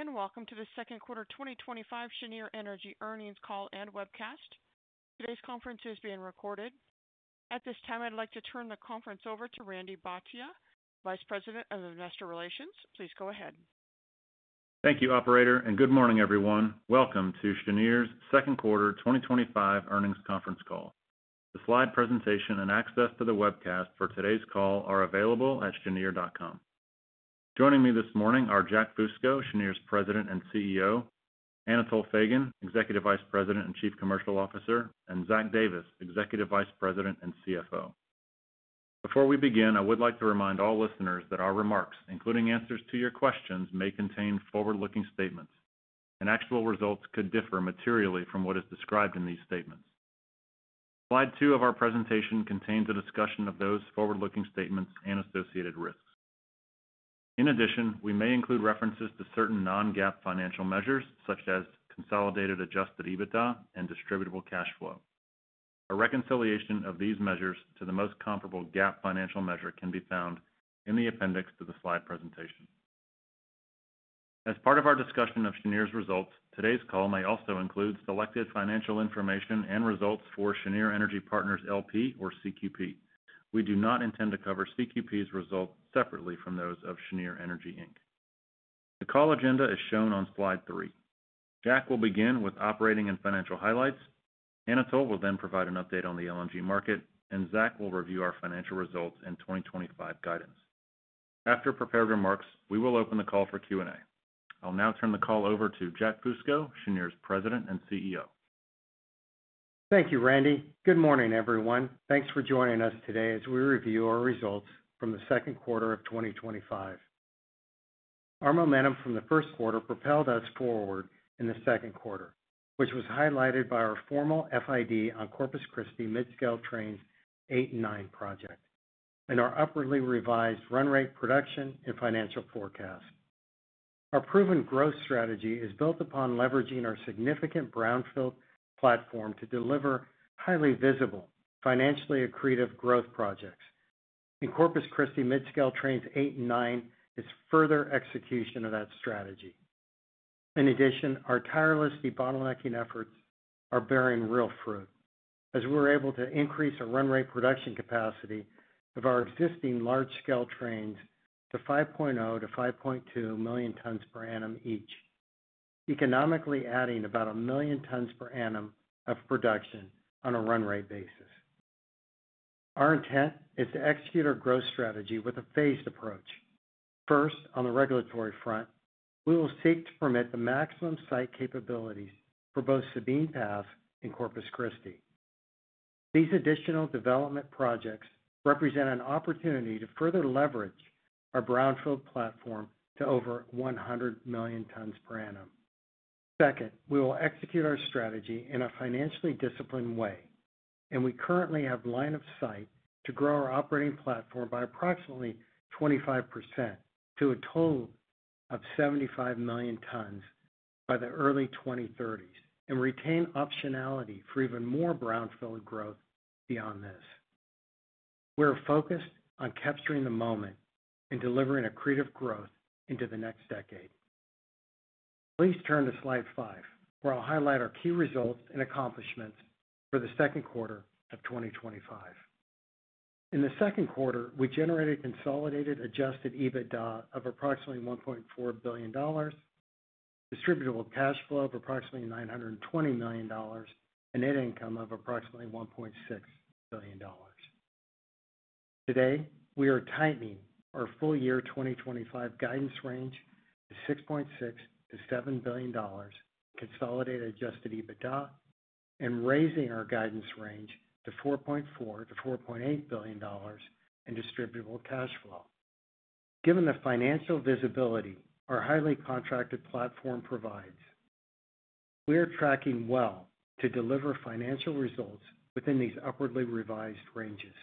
Today, and welcome to the second quarter 2025 Cheniere Energy Earnings Call and Webcast. Today's conference is being recorded. At this time, I'd like to turn the conference over to Randy Bhatia, Vice President of Investor Relations. Please go ahead. Thank you, Operator, and good morning, everyone. Welcome to Cheniere Energy's second quarter 2025 earnings conference call. The slide presentation and access to the webcast for today's call are available at cheniere.com. Joining me this morning are Jack Fusco, Cheniere Energy's President and CEO, Anatol Feygin, Executive Vice President and Chief Commercial Officer, and Zach Davis, Executive Vice President and CFO. Before we begin, I would like to remind all listeners that our remarks, including answers to your questions, may contain forward-looking statements, and actual results could differ materially from what is described in these statements. Slide two of our presentation contains a discussion of those forward-looking statements and associated risks. In addition, we may include references to certain non-GAAP financial measures such as consolidated adjusted EBITDA and distributable cash flow. A reconciliation of these measures to the most comparable GAAP financial measure can be found in the appendix to the slide presentation. As part of our discussion of Cheniere Energy's results, today's call may also include selected financial information and results for Cheniere Energy Partners LP, or CQP. We do not intend to cover CQP's results separately from those of Cheniere Energy Inc. The call agenda is shown on slide three. Jack will begin with operating and financial highlights. Anatol will then provide an update on the LNG market, and Zach will review our financial results and 2025 guidance. After prepared remarks, we will open the call for Q&A. I'll now turn the call over to Jack Fusco, Cheniere Energy's President and CEO. Thank you, Randy. Good morning, everyone. Thanks for joining us today as we review our results from the second quarter of 2025. Our momentum from the first quarter propelled us forward in the second quarter, which was highlighted by our formal FID on Corpus Christi Midscale Trains 8 & 9 project, and our upwardly revised run rate production and financial forecast. Our proven growth strategy is built upon leveraging our significant brownfield platform to deliver highly visible, financially accretive growth projects. In Corpus Christi Midscale Trains 8 & 9, it's further execution of that strategy. In addition, our tireless debottlenecking efforts are bearing real fruit, as we were able to increase our run rate production capacity of our existing large-scale trains to 5.0 million-5.2 million tons per annum each, economically adding about 1 million tons per annum of production on a run rate basis. Our intent is to execute our growth strategy with a phased approach. First, on the regulatory front, we will seek to permit the maximum site capabilities for both Sabine Pass and Corpus Christi. These additional development projects represent an opportunity to further leverage our brownfield platform to over 100 million tons per annum. Second, we will execute our strategy in a financially disciplined way, and we currently have line of sight to grow our operating platform by approximately 25% to a total of 75 million tons by the early 2030s and retain optionality for even more brownfield growth beyond this. We're focused on capturing the moment and delivering accretive growth into the next decade. Please turn to slide five, where I'll highlight our key results and accomplishments for the second quarter of 2025. In the second quarter, we generated consolidated adjusted EBITDA of approximately $1.4 billion, distributable cash flow of approximately $920 million, and net income of approximately $1.6 billion. Today, we are tightening our full-year 2025 guidance range to $6.6 billion-$7 billion in consolidated adjusted EBITDA and raising our guidance range to $4.4 billion-$4.8 billion in distributable cash flow. Given the financial visibility our highly contracted platform provides, we are tracking well to deliver financial results within these upwardly revised ranges.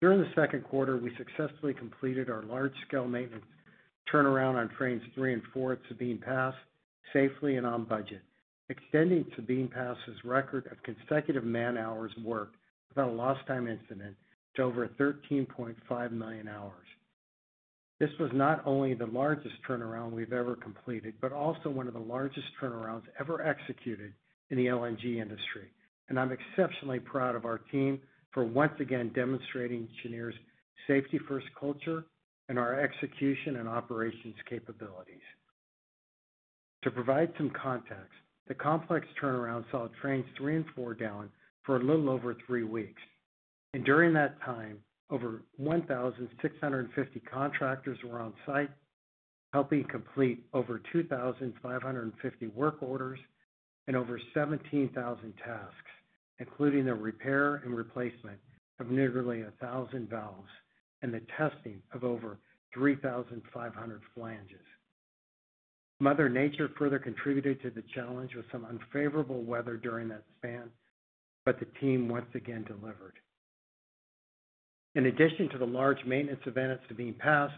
During the second quarter, we successfully completed our large-scale maintenance turnaround on trains three and four at Sabine Pass safely and on budget, extending Sabine Pass's record of consecutive man-hours of work without a lost time incident to over 13.5 million hours. This was not only the largest turnaround we've ever completed, but also one of the largest turnarounds ever executed in the LNG industry, and I'm exceptionally proud of our team for once again demonstrating Cheniere's safety-first culture and our execution and operations capabilities. To provide some context, the complex turnaround saw trains three and four down for a little over three weeks, and during that time, over 1,650 contractors were on site, helping complete over 2,550 work orders and over 17,000 tasks, including the repair and replacement of nearly a thousand valves and the testing of over 3,500 flanges. Mother Nature further contributed to the challenge with some unfavorable weather during that span, but the team once again delivered. In addition to the large maintenance event at Sabine Pass,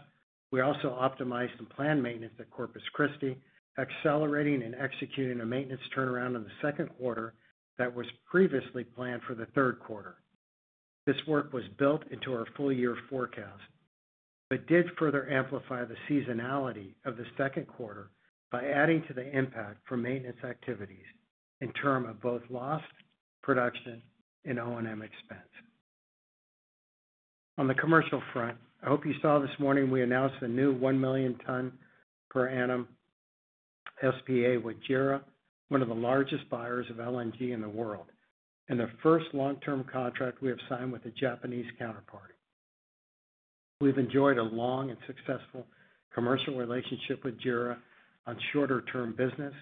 we also optimized and planned maintenance at Corpus Christi, accelerating and executing a maintenance turnaround in the second quarter that was previously planned for the third quarter. This work was built into our full-year forecast, but did further amplify the seasonality of the second quarter by adding to the impact for maintenance activities in terms of both lost production and O&M expense. On the commercial front, I hope you saw this morning we announced the new 1 million ton per annum SPA with JERA, one of the largest buyers of LNG in the world, and the first long-term contract we have signed with a Japanese counterparty. We've enjoyed a long and successful commercial relationship with JERA on shorter-term business,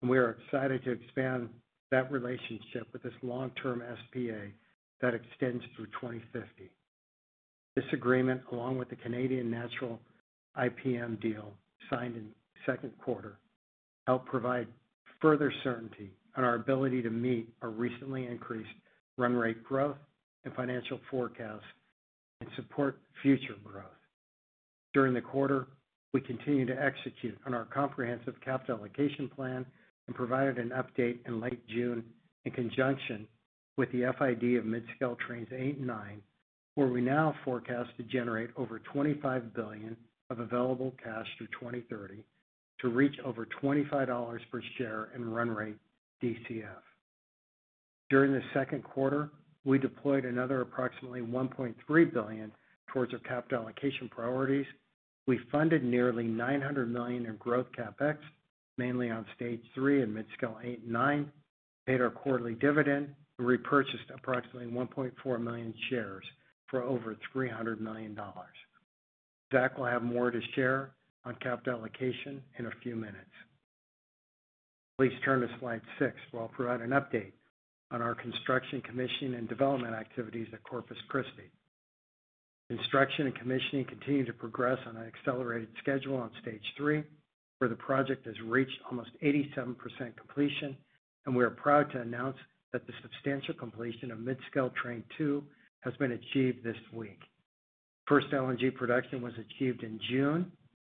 and we are excited to expand that relationship with this long-term SPA that extends through 2050. This agreement, along with the Canadian Natural IPM deal signed in the second quarter, helped provide further certainty on our ability to meet our recently increased run rate growth and financial forecasts and support future growth. During the quarter, we continued to execute on our comprehensive capital allocation plan and provided an update in late June in conjunction with the FID of Midscale Trains 8 & 9, where we now forecast to generate over $25 billion of available cash through 2030 to reach over $25 per share in run rate DCF. During the second quarter, we deployed another approximately $1.3 billion towards our capital allocation priorities. We funded nearly $900 million in growth CapEx, mainly on Stage 3 and Midscale Trains 8 & 9, paid our quarterly dividend, and repurchased approximately 1.4 million shares for over $300 million. Zach will have more to share on capital allocation in a few minutes. Please turn to slide six where I'll provide an update on our construction, commissioning, and development activities at Corpus Christi. Construction and commissioning continue to progress on an accelerated schedule on Stage 3, where the project has reached almost 87% completion, and we are proud to announce that the substantial completion of Midscale Train 2 has been achieved this week. First LNG production was achieved in June,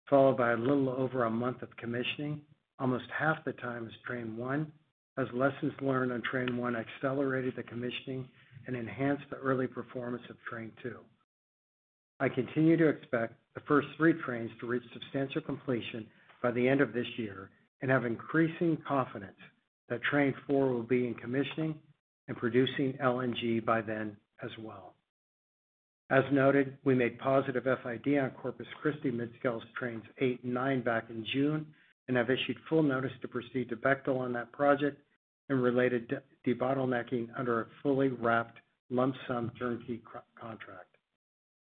followed by a little over a month of commissioning, almost half the time as Train 1, as lessons learned on train one accelerated the commissioning and enhanced the early performance of Train 2. I continue to expect the first three trains to reach substantial completion by the end of this year and have increasing confidence that train four will be in commissioning and producing LNG by then as well. As noted, we made positive FID on Corpus Christi Midscale Trains 8 & 9 back in June and have issued full notice to proceed to Bechtel Energy on that project and related debottlenecking under a fully wrapped lump sum turnkey contract.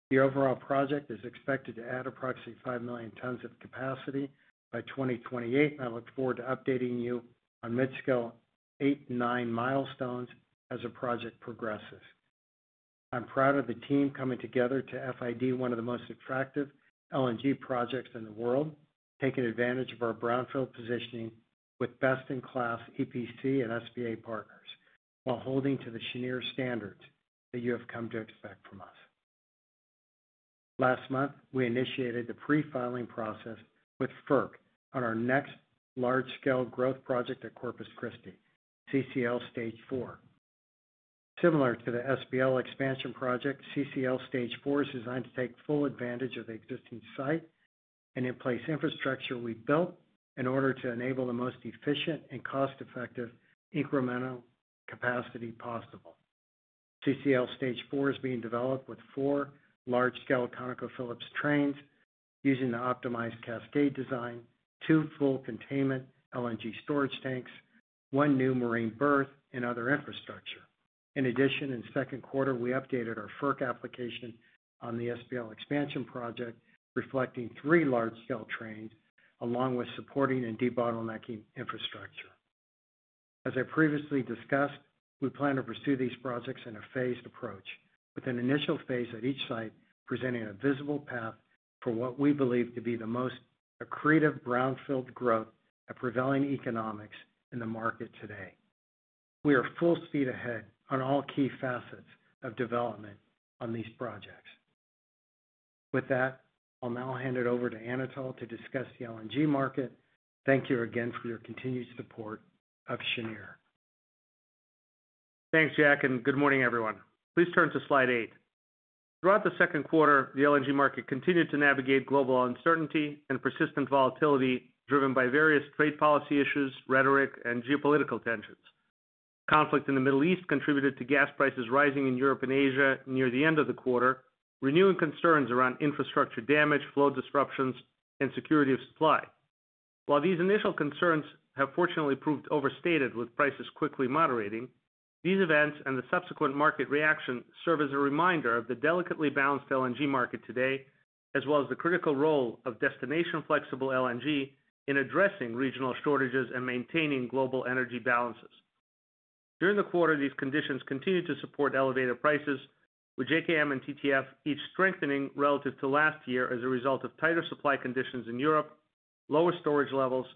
The overall project is expected to add approximately 5 million tons of capacity by 2028, and I look forward to updating you on Midscale Trains 8 & 9 milestones as the project progresses. I'm proud of the team coming together to FID one of the most attractive LNG projects in the world, taking advantage of our brownfield positioning with best-in-class EPC and SPA partners while holding to the Cheniere standards that you have come to expect from us. Last month, we initiated the pre-filing process with FERC on our next large-scale growth project at Corpus Christi, CCL Stage 4. Similar to the SPL Expansion Project, CCL Stage 4 is designed to take full advantage of the existing site and in-place infrastructure we've built in order to enable the most efficient and cost-effective incremental capacity possible. CCL Stage 4 is being developed with four large-scale ConocoPhillips trains using the optimized cascade design, two full containment LNG storage tanks, one new marine berth, and other infrastructure. In addition, in the second quarter, we updated our FERC application on the SPL Expansion Project, reflecting three large-scale trains along with supporting and debottlenecking infrastructure. As I previously discussed, we plan to pursue these projects in a phased approach, with an initial phase at each site presenting a visible path for what we believe to be the most accretive brownfield growth at prevailing economics in the market today. We are full speed ahead on all key facets of development on these projects. With that, I'll now hand it over to Anatol to discuss the LNG market. Thank you again for your continued support of Cheniere. Thanks, Jack, and good morning, everyone. Please turn to slide eight. Throughout the second quarter, the LNG market continued to navigate global uncertainty and persistent volatility driven by various trade policy issues, rhetoric, and geopolitical tensions. Conflict in the Middle East contributed to gas prices rising in Europe and Asia near the end of the quarter, renewing concerns around infrastructure damage, flow disruptions, and security of supply. While these initial concerns have fortunately proved overstated with prices quickly moderating, these events and the subsequent market reaction serve as a reminder of the delicately balanced LNG market today, as well as the critical role of destination flexible LNG in addressing regional shortages and maintaining global energy balances. During the quarter, these conditions continue to support elevated prices, with JKM and TTF each strengthening relative to last year as a result of tighter supply conditions in Europe, lower storage levels,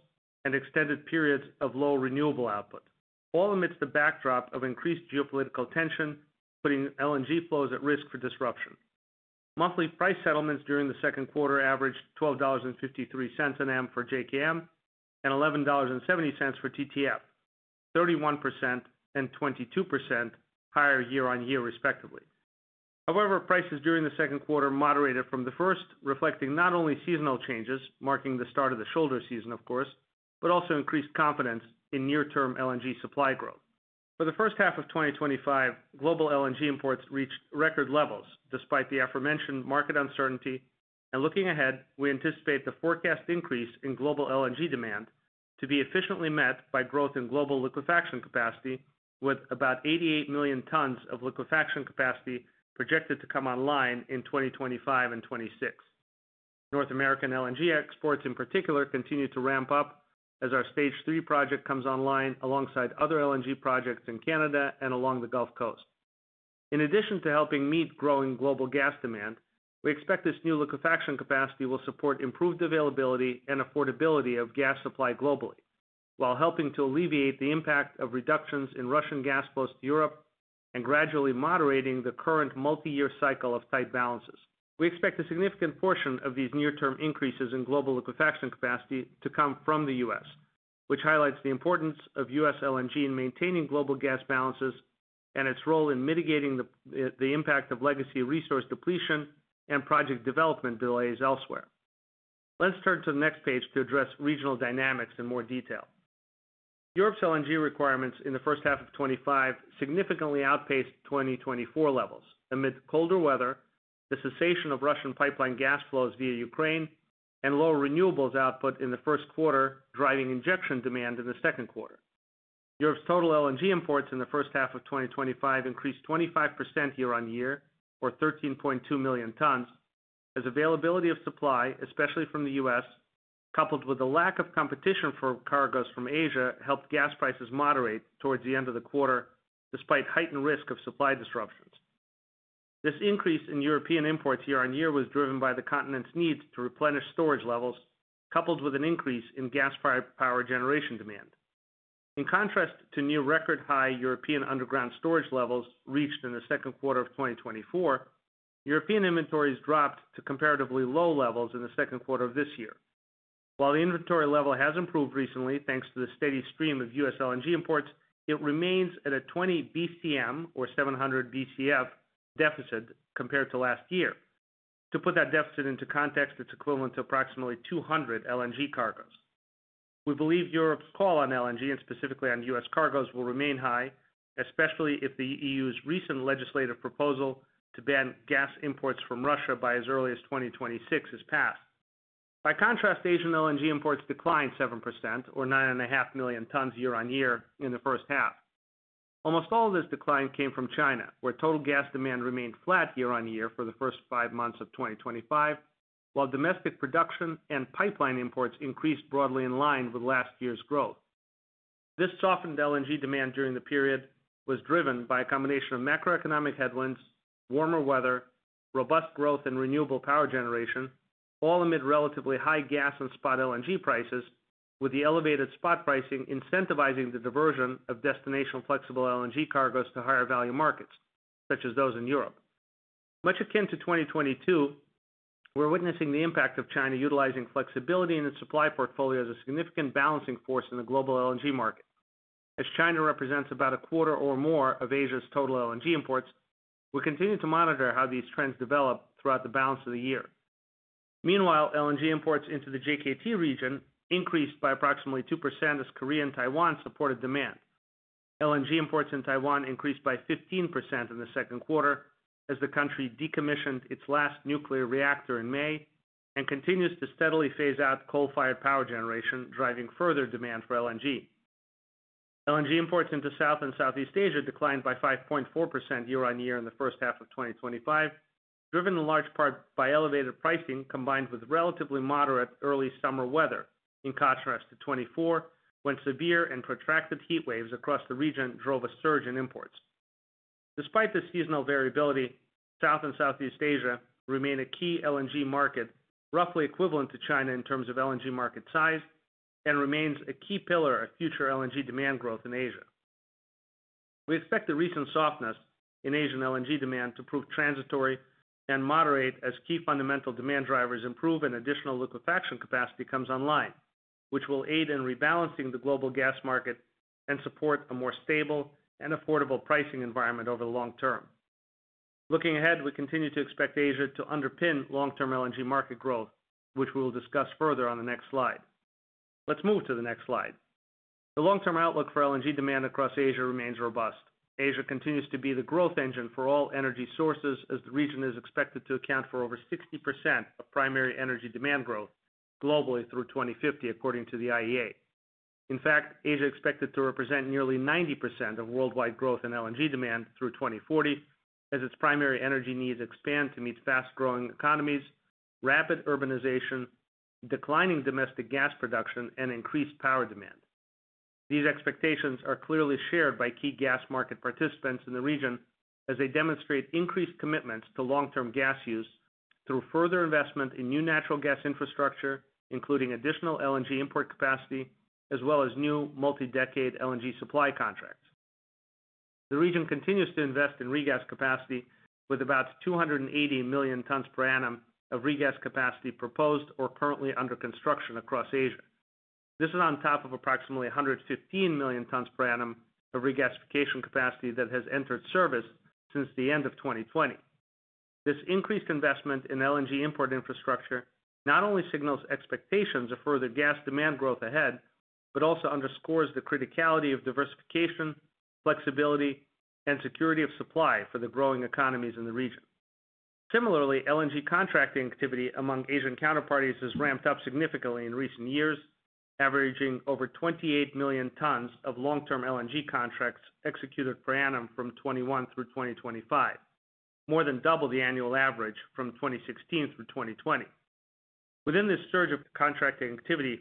and extended periods of low renewable output, all amidst the backdrop of increased geopolitical tension, putting LNG flows at risk for disruption. Monthly price settlements during the second quarter averaged $12.53 an ounce for JKM and $11.70 for TTF, 31% and 22% higher year-on-year, respectively. However, prices during the second quarter moderated from the first, reflecting not only seasonal changes, marking the start of the shoulder season, of course, but also increased confidence in near-term LNG supply growth. For the first half of 2025, global LNG imports reached record levels despite the aforementioned market uncertainty, and looking ahead, we anticipate the forecast increase in global LNG demand to be efficiently met by growth in global liquefaction capacity, with about 88 million tons of liquefaction capacity projected to come online in 2025 and 2026. North American LNG exports, in particular, continue to ramp up as our Stage 3 project comes online alongside other LNG projects in Canada and along the Gulf Coast. In addition to helping meet growing global gas demand, we expect this new liquefaction capacity will support improved availability and affordability of gas supply globally, while helping to alleviate the impact of reductions in Russian gas flows to Europe and gradually moderating the current multi-year cycle of tight balances. We expect a significant portion of these near-term increases in global liquefaction capacity to come from the U.S., which highlights the importance of U.S. LNG in maintaining global gas balances and its role in mitigating the impact of legacy resource depletion and project development delays elsewhere. Let's turn to the next page to address regional dynamics in more detail. Europe's LNG requirements in the first half of 2025 significantly outpaced 2024 levels amid colder weather, the cessation of Russian pipeline gas flows via Ukraine, and low renewables output in the first quarter, driving injection demand in the second quarter. Europe's total LNG imports in the first half of 2025 increased 25% year-on-year, or 13.2 million tons, as availability of supply, especially from the U.S., coupled with a lack of competition for cargoes from Asia, helped gas prices moderate towards the end of the quarter, despite heightened risk of supply disruptions. This increase in European imports year on year was driven by the continent's needs to replenish storage levels, coupled with an increase in gas power generation demand. In contrast to near-record high European underground storage levels reached in the second quarter of 2024, European inventories dropped to comparatively low levels in the second quarter of this year. While the inventory level has improved recently thanks to the steady stream of U.S. LNG imports, it remains at a 20 BCM or 700 BCF deficit compared to last year. To put that deficit into context, it's equivalent to approximately 200 LNG cargoes. We believe Europe's call on LNG, and specifically on U.S. cargoes, will remain high, especially if the EU's recent legislative proposal to ban gas imports from Russia by as early as 2026 is passed. By contrast, Asian LNG imports declined 7%, or 9.5 million tons year-on-year in the first half. Almost all of this decline came from China, where total gas demand remained flat year on year for the first five months of 2025, while domestic production and pipeline imports increased broadly in line with last year's growth. This softened LNG demand during the period was driven by a combination of macroeconomic headwinds, warmer weather, robust growth in renewable power generation, all amid relatively high gas and spot LNG prices, with the elevated spot pricing incentivizing the diversion of destination flexible LNG cargoes to higher value markets, such as those in Europe. Much akin to 2022, we're witnessing the impact of China utilizing flexibility in its supply portfolio as a significant balancing force in the global LNG market. As China represents about a quarter or more of Asia's total LNG imports, we continue to monitor how these trends develop throughout the balance of the year. Meanwhile, LNG imports into the JKT region increased by approximately 2% as Korea and Taiwan supported demand. LNG imports in Taiwan increased by 15% in the second quarter as the country decommissioned its last nuclear reactor in May and continues to steadily phase out coal-fired power generation, driving further demand for LNG. LNG imports into South and Southeast Asia declined by 5.4% year-on-year in the first half of 2025, driven in large part by elevated pricing combined with relatively moderate early summer weather, in contrast to 2024, when severe and protracted heat waves across the region drove a surge in imports. Despite the seasonal variability, South and Southeast Asia remain a key LNG market, roughly equivalent to China in terms of LNG market size, and remains a key pillar of future LNG demand growth in Asia. We expect the recent softness in Asian LNG demand to prove transitory and moderate as key fundamental demand drivers improve and additional liquefaction capacity comes online, which will aid in rebalancing the global gas market and support a more stable and affordable pricing environment over the long term. Looking ahead, we continue to expect Asia to underpin long-term LNG market growth, which we will discuss further on the next slide. Let's move to the next slide. The long-term outlook for LNG demand across Asia remains robust. Asia continues to be the growth engine for all energy sources, as the region is expected to account for over 60% of primary energy demand growth globally through 2050, according to the IEA. In fact, Asia is expected to represent nearly 90% of worldwide growth in LNG demand through 2040, as its primary energy needs expand to meet fast-growing economies, rapid urbanization, declining domestic gas production, and increased power demand. These expectations are clearly shared by key gas market participants in the region, as they demonstrate increased commitments to long-term gas use through further investment in new natural gas infrastructure, including additional LNG import capacity, as well as new multi-decade LNG supply contracts. The region continues to invest in re-gas capacity, with about 280 million tons per annum of re-gas capacity proposed or currently under construction across Asia. This is on top of approximately 115 million tons per annum of regasification capacity that has entered service since the end of 2020. This increased investment in LNG import infrastructure not only signals expectations of further gas demand growth ahead, but also underscores the criticality of diversification, flexibility, and security of supply for the growing economies in the region. Similarly, LNG contracting activity among Asian counterparties has ramped up significantly in recent years, averaging over 28 million tons of long-term LNG contracts executed per annum from 2021 through 2025, more than double the annual average from 2016 through 2020. Within this surge of contracting activity,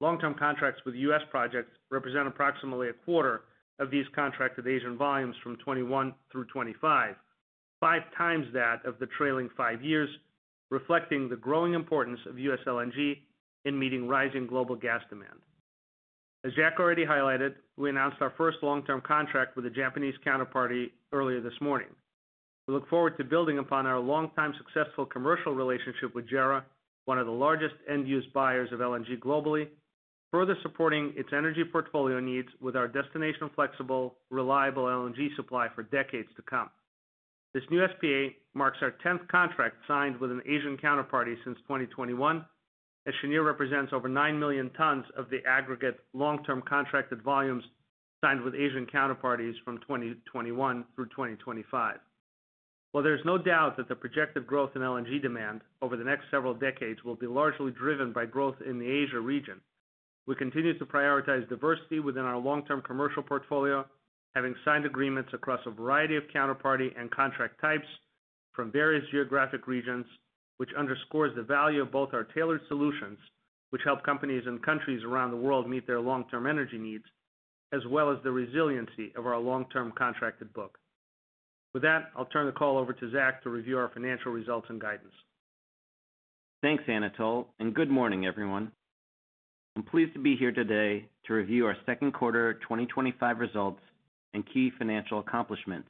long-term contracts with U.S. projects represent approximately a quarter of these contracted Asian volumes from 2021 through 2025, 5x that of the trailing five years, reflecting the growing importance of U.S. LNG in meeting rising global gas demand. As Jack already highlighted, we announced our first long-term contract with a Japanese counterparty earlier this morning. We look forward to building upon our long-time successful commercial relationship with JERA, one of the largest end-use buyers of LNG globally, further supporting its energy portfolio needs with our destination flexible, reliable LNG supply for decades to come. This new SPA marks our 10th contract signed with an Asian counterparty since 2021, as Cheniere represents over 9 million tons of the aggregate long-term contracted volumes signed with Asian counterparties from 2021 through 2025. While there is no doubt that the projected growth in LNG demand over the next several decades will be largely driven by growth in the Asia region, we continue to prioritize diversity within our long-term commercial portfolio, having signed agreements across a variety of counterparty and contract types from various geographic regions, which underscores the value of both our tailored solutions, which help companies and countries around the world meet their long-term energy needs, as well as the resiliency of our long-term contracted book. With that, I'll turn the call over to Zach to review our financial results and guidance. Thanks, Anatol, and good morning, everyone. I'm pleased to be here today to review our second quarter 2025 results and key financial accomplishments,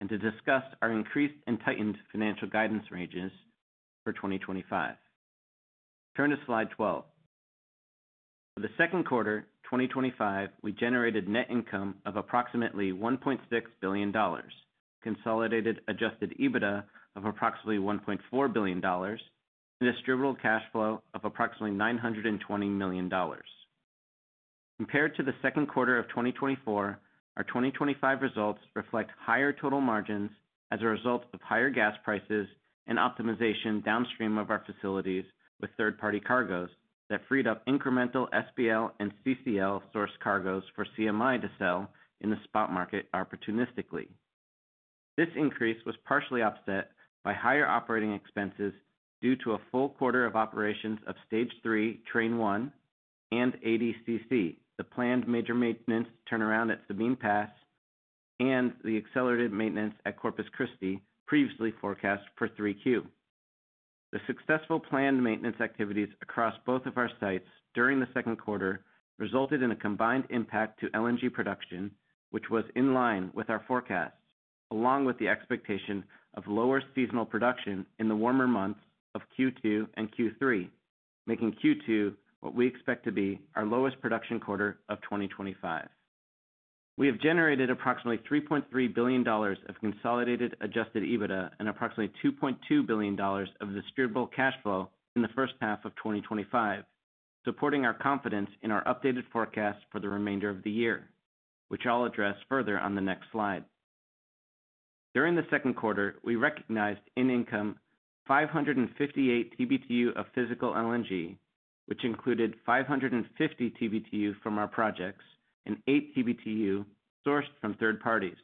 and to discuss our increased and tightened financial guidance ranges for 2025. Turn to slide 12. For the second quarter 2025, we generated net income of approximately $1.6 billion, consolidated adjusted EBITDA of approximately $1.4 billion, and distributable cash flow of approximately $920 million. Compared to the second quarter of 2024, our 2025 results reflect higher total margins as a result of higher gas prices and optimization downstream of our facilities with third-party cargoes that freed up incremental SPL and CCL source cargoes for CMI to sell in the spot market opportunistically. This increase was partially offset by higher operating expenses due to a full quarter of operations of Stage 3 Train 1 and ADCC, the planned major maintenance turnaround at Sabine Pass and the accelerated maintenance at Corpus Christi, previously forecast for 3Q. The successful planned maintenance activities across both of our sites during the second quarter resulted in a combined impact to LNG production, which was in line with our forecast, along with the expectation of lower seasonal production in the warmer months of Q2 and Q3, making Q2 what we expect to be our lowest production quarter of 2025. We have generated approximately $3.3 billion of consolidated adjusted EBITDA and approximately $2.2 billion of distributable cash flow in the first half of 2025, supporting our confidence in our updated forecast for the remainder of the year, which I'll address further on the next slide. During the second quarter, we recognized in income 558 TBTU of physical LNG, which included 550 TBTU from our projects and 8 TBTU sourced from third parties,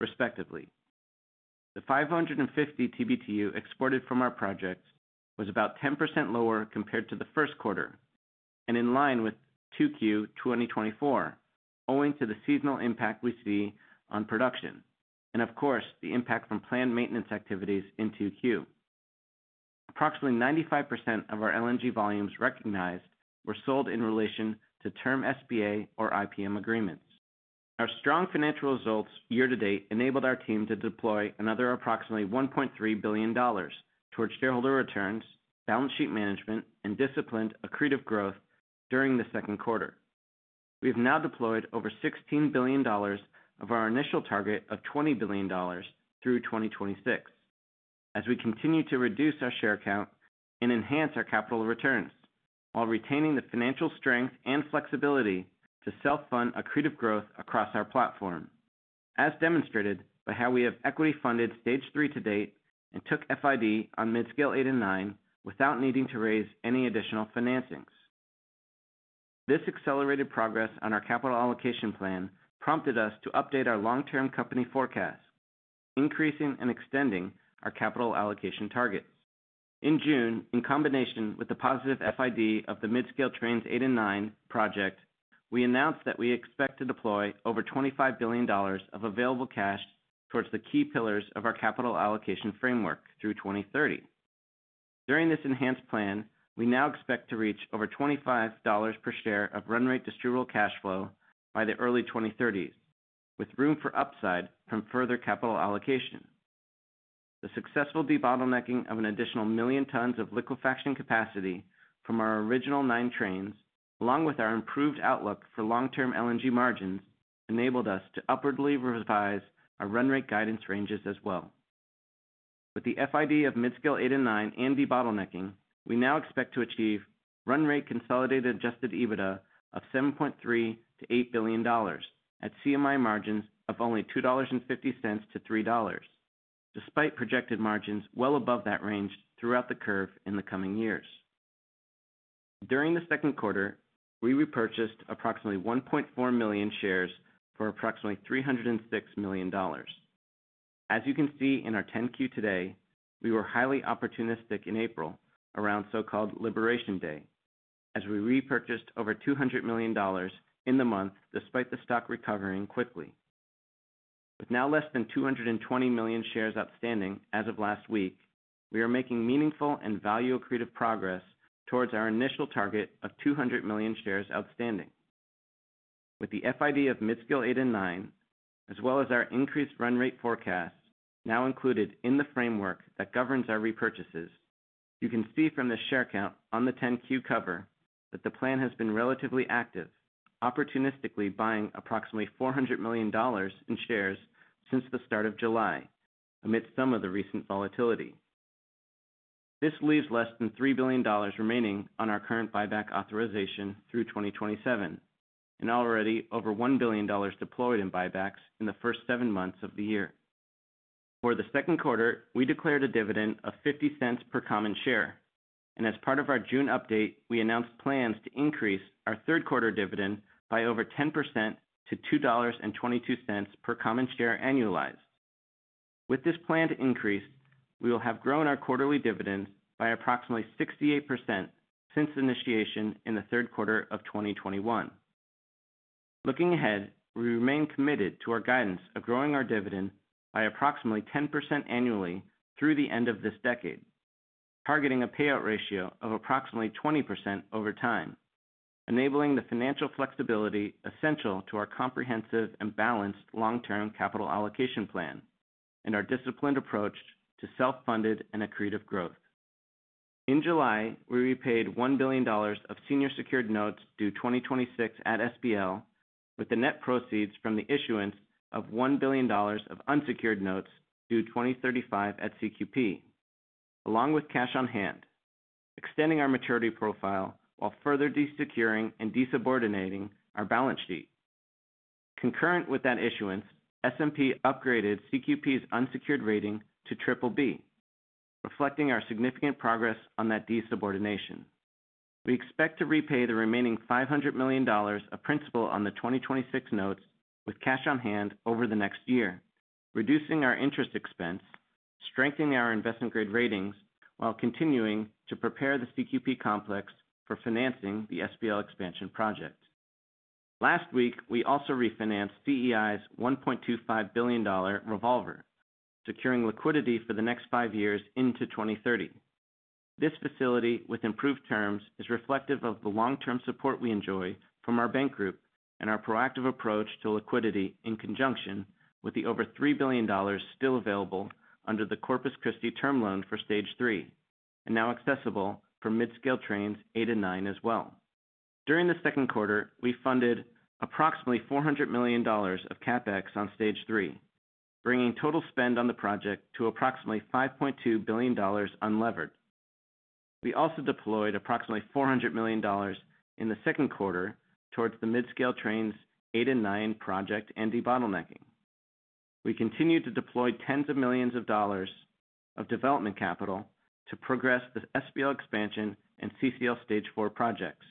respectively. The 550 TBTU exported from our projects was about 10% lower compared to the first quarter and in line with 2Q 2024, owing to the seasonal impact we see on production and, of course, the impact from planned maintenance activities in Q2. Approximately 95% of our LNG volumes recognized were sold in relation to term SPA or IPM agreements. Our strong financial results year to date enabled our team to deploy another approximately $1.3 billion towards shareholder returns, balance sheet management, and disciplined accretive growth during the second quarter. We have now deployed over $16 billion of our initial target of $20 billion through 2026, as we continue to reduce our share count and enhance our capital returns while retaining the financial strength and flexibility to self-fund accretive growth across our platform, as demonstrated by how we have equity-funded Stage 3 to date and took FID on Midscale Trains 8 & 9 without needing to raise any additional financings. This accelerated progress on our capital allocation plan prompted us to update our long-term company forecast, increasing and extending our capital allocation targets. In June, in combination with the positive FID of the Midscale Trains 8 & 9 project, we announced that we expect to deploy over $25 billion of available cash towards the key pillars of our capital allocation framework through 2030. During this enhanced plan, we now expect to reach over $25 per share of run rate distributable cash flow by the early 2030s, with room for upside from further capital allocation. The successful debottlenecking of an additional million tons of liquefaction capacity from our original nine trains, along with our improved outlook for long-term LNG margins, enabled us to upwardly revise our run rate guidance ranges as well. With the FID of Midscale Trains 8 & 9 and debottlenecking, we now expect to achieve run rate consolidated adjusted EBITDA of $7.3 billion-$8 billion at CMI margins of only $2.50-$3, despite projected margins well above that range throughout the curve in the coming years. During the second quarter, we repurchased approximately 1.4 million shares for approximately $306 million. As you can see in our 10-Q today, we were highly opportunistic in April, around so-called Liberation Day, as we repurchased over $200 million in the month despite the stock recovering quickly. With now less than 220 million shares outstanding as of last week, we are making meaningful and value accretive progress towards our initial target of 200 million shares outstanding. With the FID of Midscale Trains 8 & 9, as well as our increased run rate forecast now included in the framework that governs our repurchases, you can see from this share count on the 10-Q cover that the plan has been relatively active, opportunistically buying approximately $400 million in shares since the start of July, amidst some of the recent volatility. This leaves less than $3 billion remaining on our current buyback authorization through 2027, and already over $1 billion deployed in buybacks in the first seven months of the year. For the second quarter, we declared a dividend of $0.50 per common share, and as part of our June update, we announced plans to increase our third quarter dividend by over 10% to $2.22 per common share annualized. With this planned increase, we will have grown our quarterly dividend by approximately 68% since initiation in the third quarter of 2021. Looking ahead, we remain committed to our guidance of growing our dividend by approximately 10% annually through the end of this decade, targeting a payout ratio of approximately 20% over time, enabling the financial flexibility essential to our comprehensive and balanced long-term capital allocation plan and our disciplined approach to self-funded and accretive growth. In July, we repaid $1 billion of senior secured notes due 2026 at SPL, with the net proceeds from the issuance of $1 billion of unsecured notes due 2035 at CQP, along with cash on hand, extending our maturity profile while further desecuring and desubordinating our balance sheet. Concurrent with that issuance, S&P upgraded CQP's unsecured rating to BBB, reflecting our significant progress on that desubordination. We expect to repay the remaining $500 million of principal on the 2026 notes with cash on hand over the next year, reducing our interest expense, strengthening our investment-grade ratings, while continuing to prepare the CQP complex for financing the SPL expansion project. Last week, we also refinanced DEI's $1.25 billion revolver, securing liquidity for the next five years into 2030. This facility, with improved terms, is reflective of the long-term support we enjoy from our bank group and our proactive approach to liquidity in conjunction with the over $3 billion still available under the Corpus Christi term loan for Stage 3, and now accessible for Midscale Trains 8 & 9 as well. During the second quarter, we funded approximately $400 million of CapEx on Stage 3, bringing total spend on the project to approximately $5.2 billion unlevered. We also deployed approximately $400 million in the second quarter towards the Midscale Trains 8 & 9 project and debottlenecking. We continue to deploy tens of millions of dollars of development capital to progress the SPL Expansion and CCL Stage 4 projects.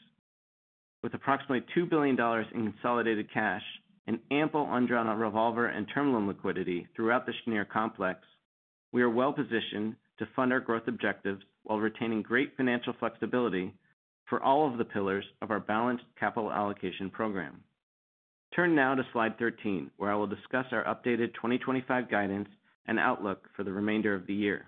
With approximately $2 billion in consolidated cash and ample undrawn revolver and term loan liquidity throughout the Cheniere complex, we are well positioned to fund our growth objectives while retaining great financial flexibility for all of the pillars of our balanced capital allocation program. Turn now to slide 13, where I will discuss our updated 2025 guidance and outlook for the remainder of the year.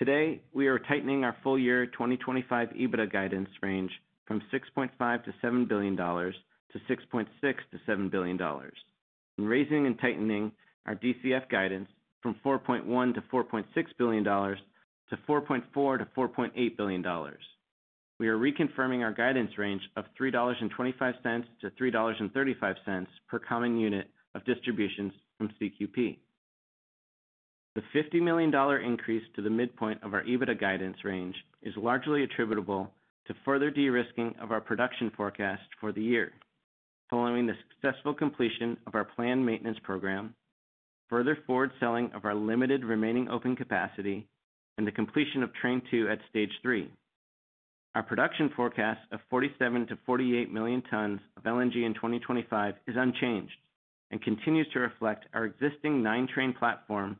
Today, we are tightening our full-year 2025 EBITDA guidance range from $6.5 billion-$7 billion-$6.6 billion-$7 billion, and raising and tightening our DCF guidance from $4.1 billion-$4.6 billion to $4.4 billion-$4.8 billion. We are reconfirming our guidance range of $3.25-$3.35 per common unit of distributions from CQP. The $50 million increase to the midpoint of our EBITDA guidance range is largely attributable to further de-risking of our production forecast for the year, following the successful completion of our planned maintenance program, further forward selling of our limited remaining open capacity, and the completion of Train 2 at Stage 3. Our production forecast of 47 miillion-48 million tons of LNG in 2025 is unchanged and continues to reflect our existing nine-train platform,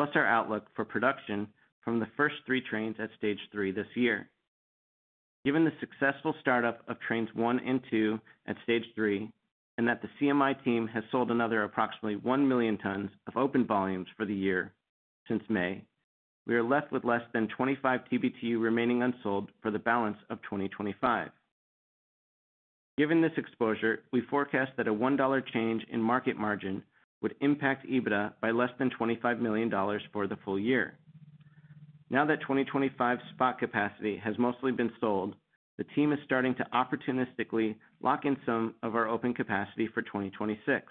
plus our outlook for production from the first three trains at Stage 3 this year. Given the successful startup of Trains 1 and 2 at Stage 3, and that the CMI team has sold another approximately 1 million tons of open volumes for the year since May, we are left with less than 25 TBTU remaining unsold for the balance of 2025. Given this exposure, we forecast that a $1 change in market margin would impact EBITDA by less than $25 million for the full year. Now that 2025 spot capacity has mostly been sold, the team is starting to opportunistically lock in some of our open capacity for 2026.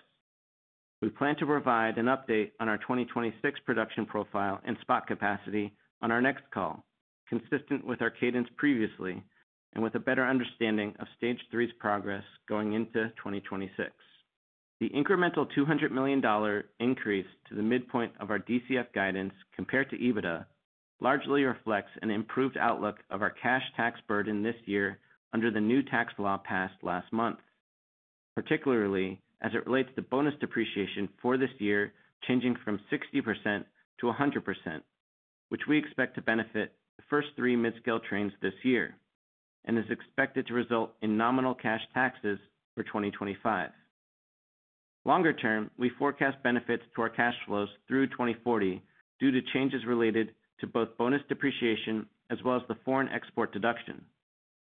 We plan to provide an update on our 2026 production profile and spot capacity on our next call, consistent with our cadence previously and with a better understanding of Stage 3's progress going into 2026. The incremental $200 million increase to the midpoint of our DCF guidance compared to EBITDA largely reflects an improved outlook of our cash tax burden this year under the new tax law passed last month, particularly as it relates to bonus depreciation for this year changing from 60%-100%, which we expect to benefit the first three midscale trains this year and is expected to result in nominal cash taxes for 2025. Longer term, we forecast benefits to our cash flows through 2040 due to changes related to both bonus depreciation as well as the foreign export deduction.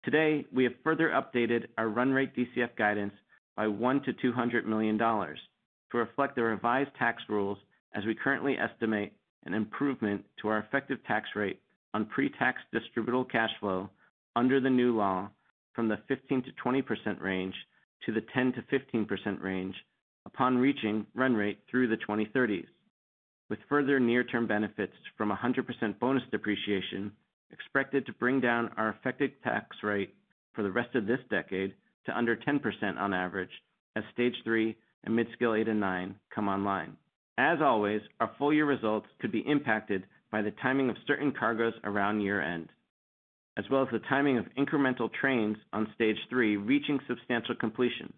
Today, we have further updated our run rate DCF guidance by $100 million-$200 million to reflect the revised tax rules as we currently estimate an improvement to our effective tax rate on pre-tax distributable cash flow under the new law from the 15%-20% range to the 10%-15% range upon reaching run rate through the 2030s, with further near-term benefits from 100% bonus depreciation expected to bring down our effective tax rate for the rest of this decade to under 10% on average as Stage 3 and Midscale 8 & 9 come online. As always, our full-year results could be impacted by the timing of certain cargoes around year-end, as well as the timing of incremental trains on Stage 3 reaching substantial completion.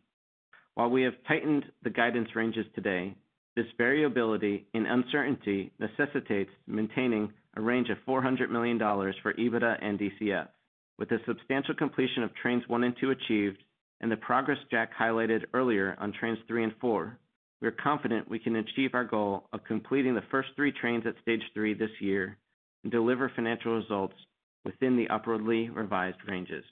While we have tightened the guidance ranges today, this variability and uncertainty necessitates maintaining a range of $400 million for EBITDA and DCF. With the substantial completion of trains one and two achieved and the progress Jack highlighted earlier on trains three and four, we are confident we can achieve our goal of completing the first three trains at Stage 3 this year and deliver financial results within the upwardly revised ranges.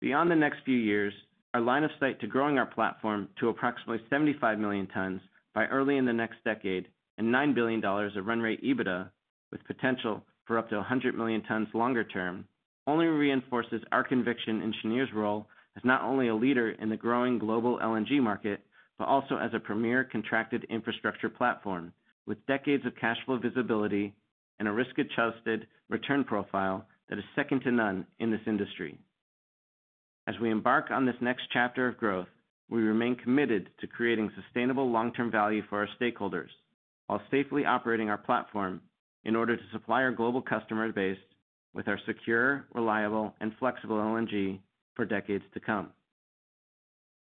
Beyond the next few years, our line of sight to growing our platform to approximately 75 million tons by early in the next decade and $9 billion of run rate EBITDA, with potential for up to 100 million tons longer term, only reinforces our conviction in Cheniere role as not only a leader in the growing global LNG market, but also as a premier contracted infrastructure platform with decades of cash flow visibility and a risk-adjusted return profile that is second to none in this industry. As we embark on this next chapter of growth, we remain committed to creating sustainable long-term value for our stakeholders while safely operating our platform in order to supply our global customer base with our secure, reliable, and flexible LNG for decades to come.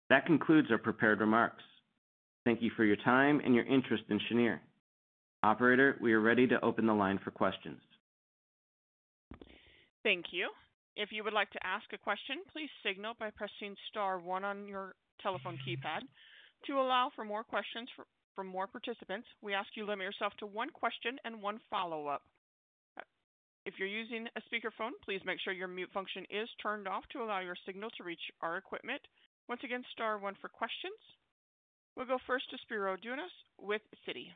That concludes our prepared remarks. Thank you for your time and your interest in Cheniere. Operator, we are ready to open the line for questions. Thank you. If you would like to ask a question, please signal by pressing star one on your telephone keypad. To allow for more questions from more participants, we ask you to limit yourself to one question and one follow-up. If you're using a speakerphone, please make sure your mute function is turned off to allow your signal to reach our equipment. Once again, star one for questions. We'll go first to Spiro Dounis with Citi.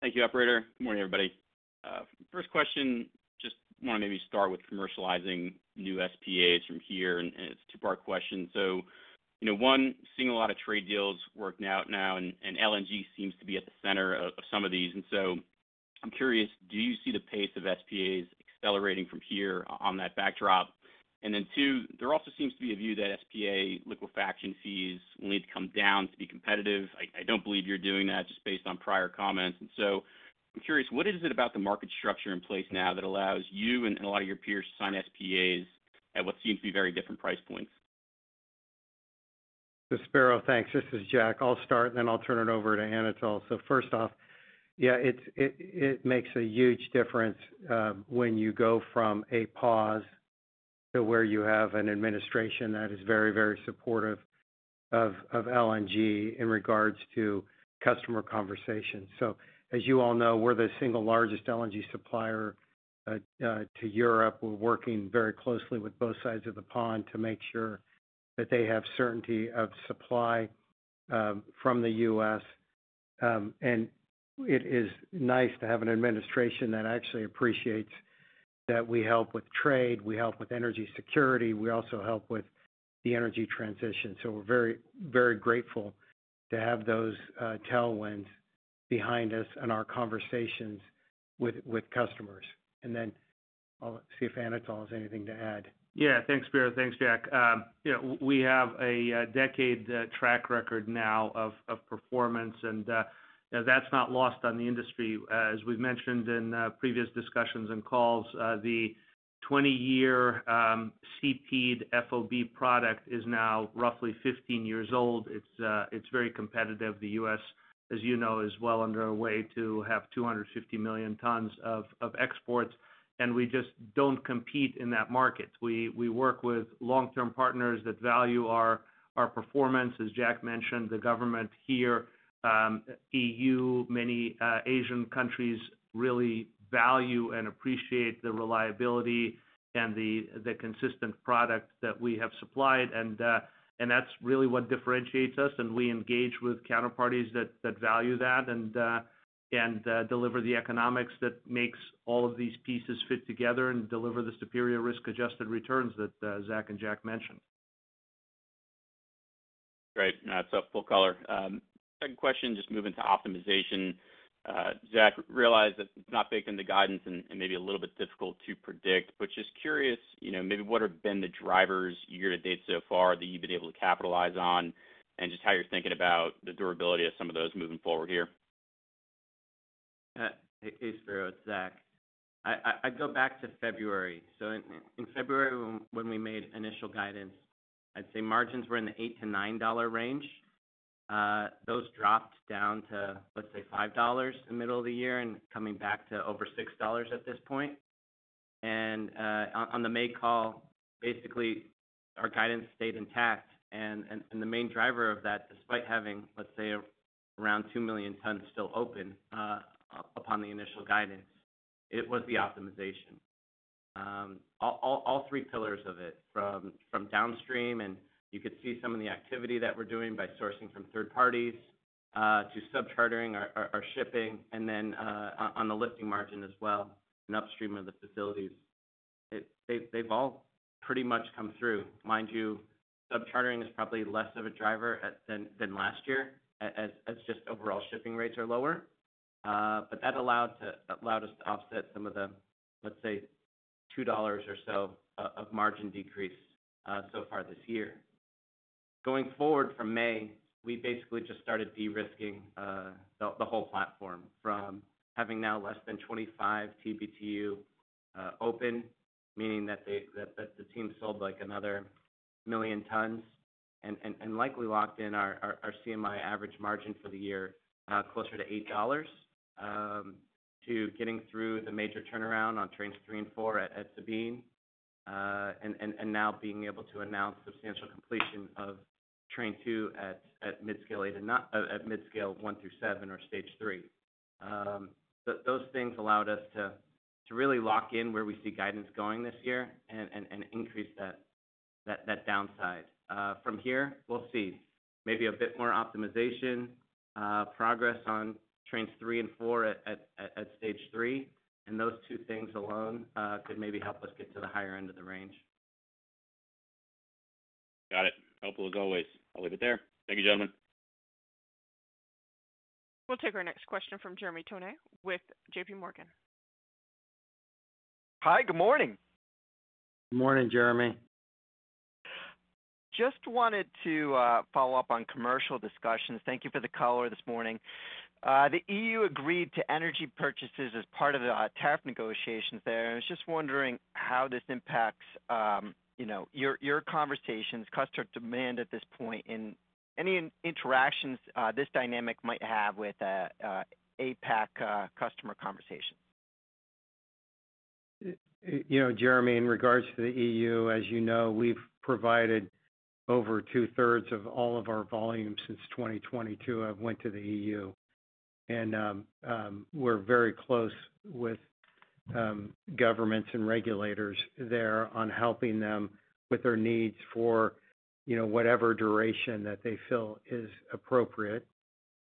Thank you, Operator. Good morning, everybody. First question, just want to maybe start with commercializing new SPAs from here, and it's a two-part question. You know, one, seeing a lot of trade deals working out now, and LNG seems to be at the center of some of these. I'm curious, do you see the pace of SPAs accelerating from here on that backdrop? There also seems to be a view that SPA liquefaction fees will need to come down to be competitive. I don't believe you're doing that just based on prior comments. I'm curious, what is it about the market structure in place now that allows you and a lot of your peers to sign SPAs at what seems to be very different price points? Thanks, Spiro. This is Jack. I'll start, and then I'll turn it over to Anatol. First off, it makes a huge difference when you go from a pause to where you have an administration that is very, very supportive of LNG in regards to customer conversations. As you all know, we're the single largest LNG supplier to Europe. We're working very closely with both sides of the pond to make sure that they have certainty of supply from the U.S. It is nice to have an administration that actually appreciates that we help with trade, we help with energy security, and we also help with the energy transition. We're very, very grateful to have those tailwinds behind us in our conversations with customers. I'll see if Anatol has anything to add. Yeah, thanks, Spiro. Thanks, Jack. We have a decade track record now of performance, and that's not lost on the industry. As we've mentioned in previous discussions and calls, the 20-year CQP FOB product is now roughly 15 years old. It's very competitive. The U.S., as you know, is well underway to have 250 million tons of exports, and we just don't compete in that market. We work with long-term partners that value our performance. As Jack mentioned, the government here, EU, many Asian countries really value and appreciate the reliability and the consistent product that we have supplied. That's really what differentiates us. We engage with counterparties that value that and deliver the economics that makes all of these pieces fit together and deliver the superior risk-adjusted returns that Zach and Jack mentioned. Great. Full caller. Second question, just moving to optimization. Zach, realize that's not baked into guidance and maybe a little bit difficult to predict, but just curious, you know, maybe what have been the drivers year to date so far that you've been able to capitalize on and just how you're thinking about the durability of some of those moving forward here? Hey, Spiro. It's Zach. I'd go back to February. In February, when we made initial guidance, I'd say margins were in the $8-$9 range. Those dropped down to, let's say, $5 in the middle of the year and coming back to over $6 at this point. On the May call, basically, our guidance stayed intact. The main driver of that, despite having, let's say, around 2 million tons still open upon the initial guidance, was the optimization. All three pillars of it, from downstream, and you could see some of the activity that we're doing by sourcing from third parties to subchartering our shipping, and then on the lifting margin as well, and upstream of the facilities. They've all pretty much come through. Mind you, subchartering is probably less of a driver than last year as just overall shipping rates are lower. That allowed us to offset some of the, let's say, $2 or so of margin decrease so far this year. Going forward from May, we basically just started de-risking the whole platform from having now less than 25 TBTU open, meaning that the team sold like another million tons and likely locked in our CMI average margin for the year closer to $8 to getting through the major turnaround on Trains 3 and 4 at Sabine and now being able to announce substantial completion of Train 2 at Midscale 1 through 7 or Stage 3. Those things allowed us to really lock in where we see guidance going this year and increase that downside. From here, we'll see maybe a bit more optimization progress on Trains 3 and 4 at Stage 3, and those two things alone could maybe help us get to the higher end of the range. Got it. Helpful as always. I'll leave it there. Thank you, gentlemen. We'll take our next question from Jeremy Tonet with JPMorgan. Hi, good morning. Good morning, Jeremy. Just wanted to follow up on commercial discussions. Thank you for the call earlier this morning. The EU agreed to energy purchases as part of the TAF negotiations there, and I was just wondering how this impacts, you know, your conversations, customer demand at this point, and any interactions this dynamic might have with APAC customer conversations. You know, Jeremy, in regards to the EU, as you know, we've provided over 2/3 of all of our volume since 2022 have went to the EU, and we're very close with governments and regulators there on helping them with their needs for, you know, whatever duration that they feel is appropriate.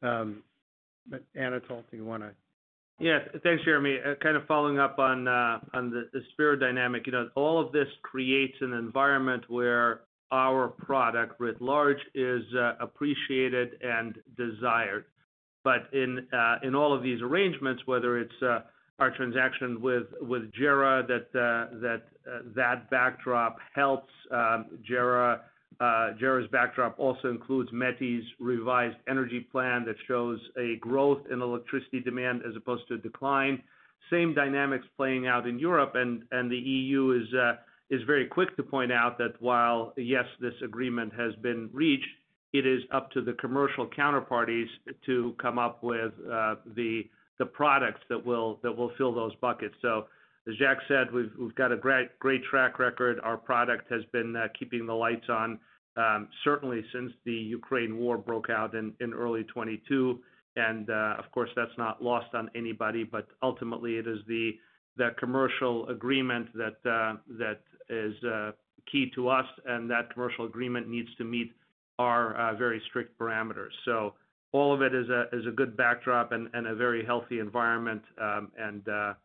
Anatol, do you want to? Yes, thanks, Jeremy. Kind of following up on the Spiro dynamic, all of this creates an environment where our product writ large is appreciated and desired. In all of these arrangements, whether it's our transaction with JERA, that backdrop helps. JERA's backdrop also includes METI's revised energy plan that shows a growth in electricity demand as opposed to a decline. Same dynamics are playing out in Europe, and the EU is very quick to point out that while, yes, this agreement has been reached, it is up to the commercial counterparties to come up with the products that will fill those buckets. As Jack said, we've got a great track record. Our product has been keeping the lights on, certainly since the Ukraine war broke out in early 2022. Of course, that's not lost on anybody, but ultimately, it is the commercial agreement that is key to us, and that commercial agreement needs to meet our very strict parameters. All of it is a good backdrop and a very healthy environment and a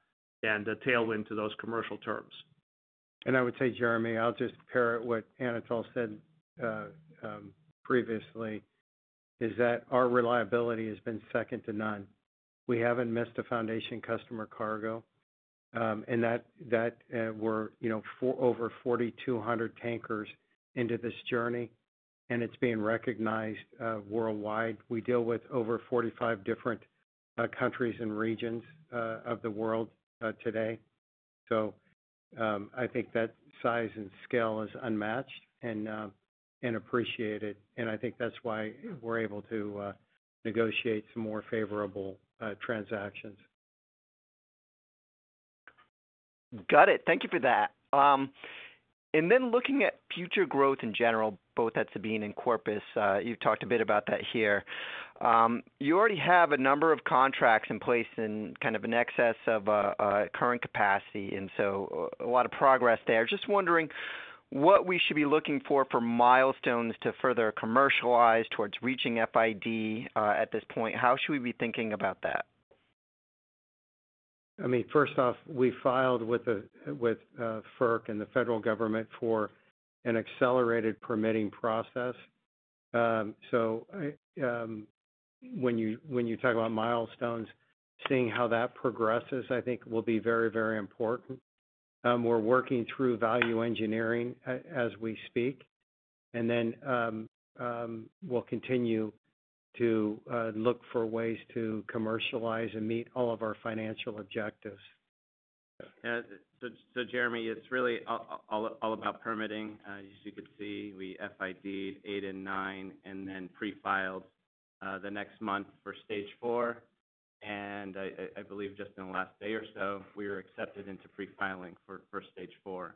tailwind to those commercial terms. I would say, Jeremy, I'll just pair it with what Anatol said previously, that our reliability has been second to none. We haven't missed a foundation customer cargo, and we're over 4,200 tankers into this journey, and it's being recognized worldwide. We deal with over 45 different countries and regions of the world today. I think that size and scale is unmatched and appreciated, and I think that's why we're able to negotiate some more favorable transactions. Got it. Thank you for that. Looking at future growth in general, both at Sabine and Corpus, you've talked a bit about that here. You already have a number of contracts in place in kind of an excess of current capacity, so a lot of progress there. Just wondering what we should be looking for for milestones to further commercialize towards reaching FID at this point. How should we be thinking about that? First off, we filed with FERC and the federal government for an accelerated permitting process. When you talk about milestones, seeing how that progresses, I think, will be very, very important. We're working through value engineering as we speak, and we'll continue to look for ways to commercialize and meet all of our financial objectives. Jeremy, it's really all about permitting. As you could see, we FID'd eight and nine, and then pre-filed the next month for Stage 4, and I believe just in the last day or so, we were accepted into pre-filing for Stage 4.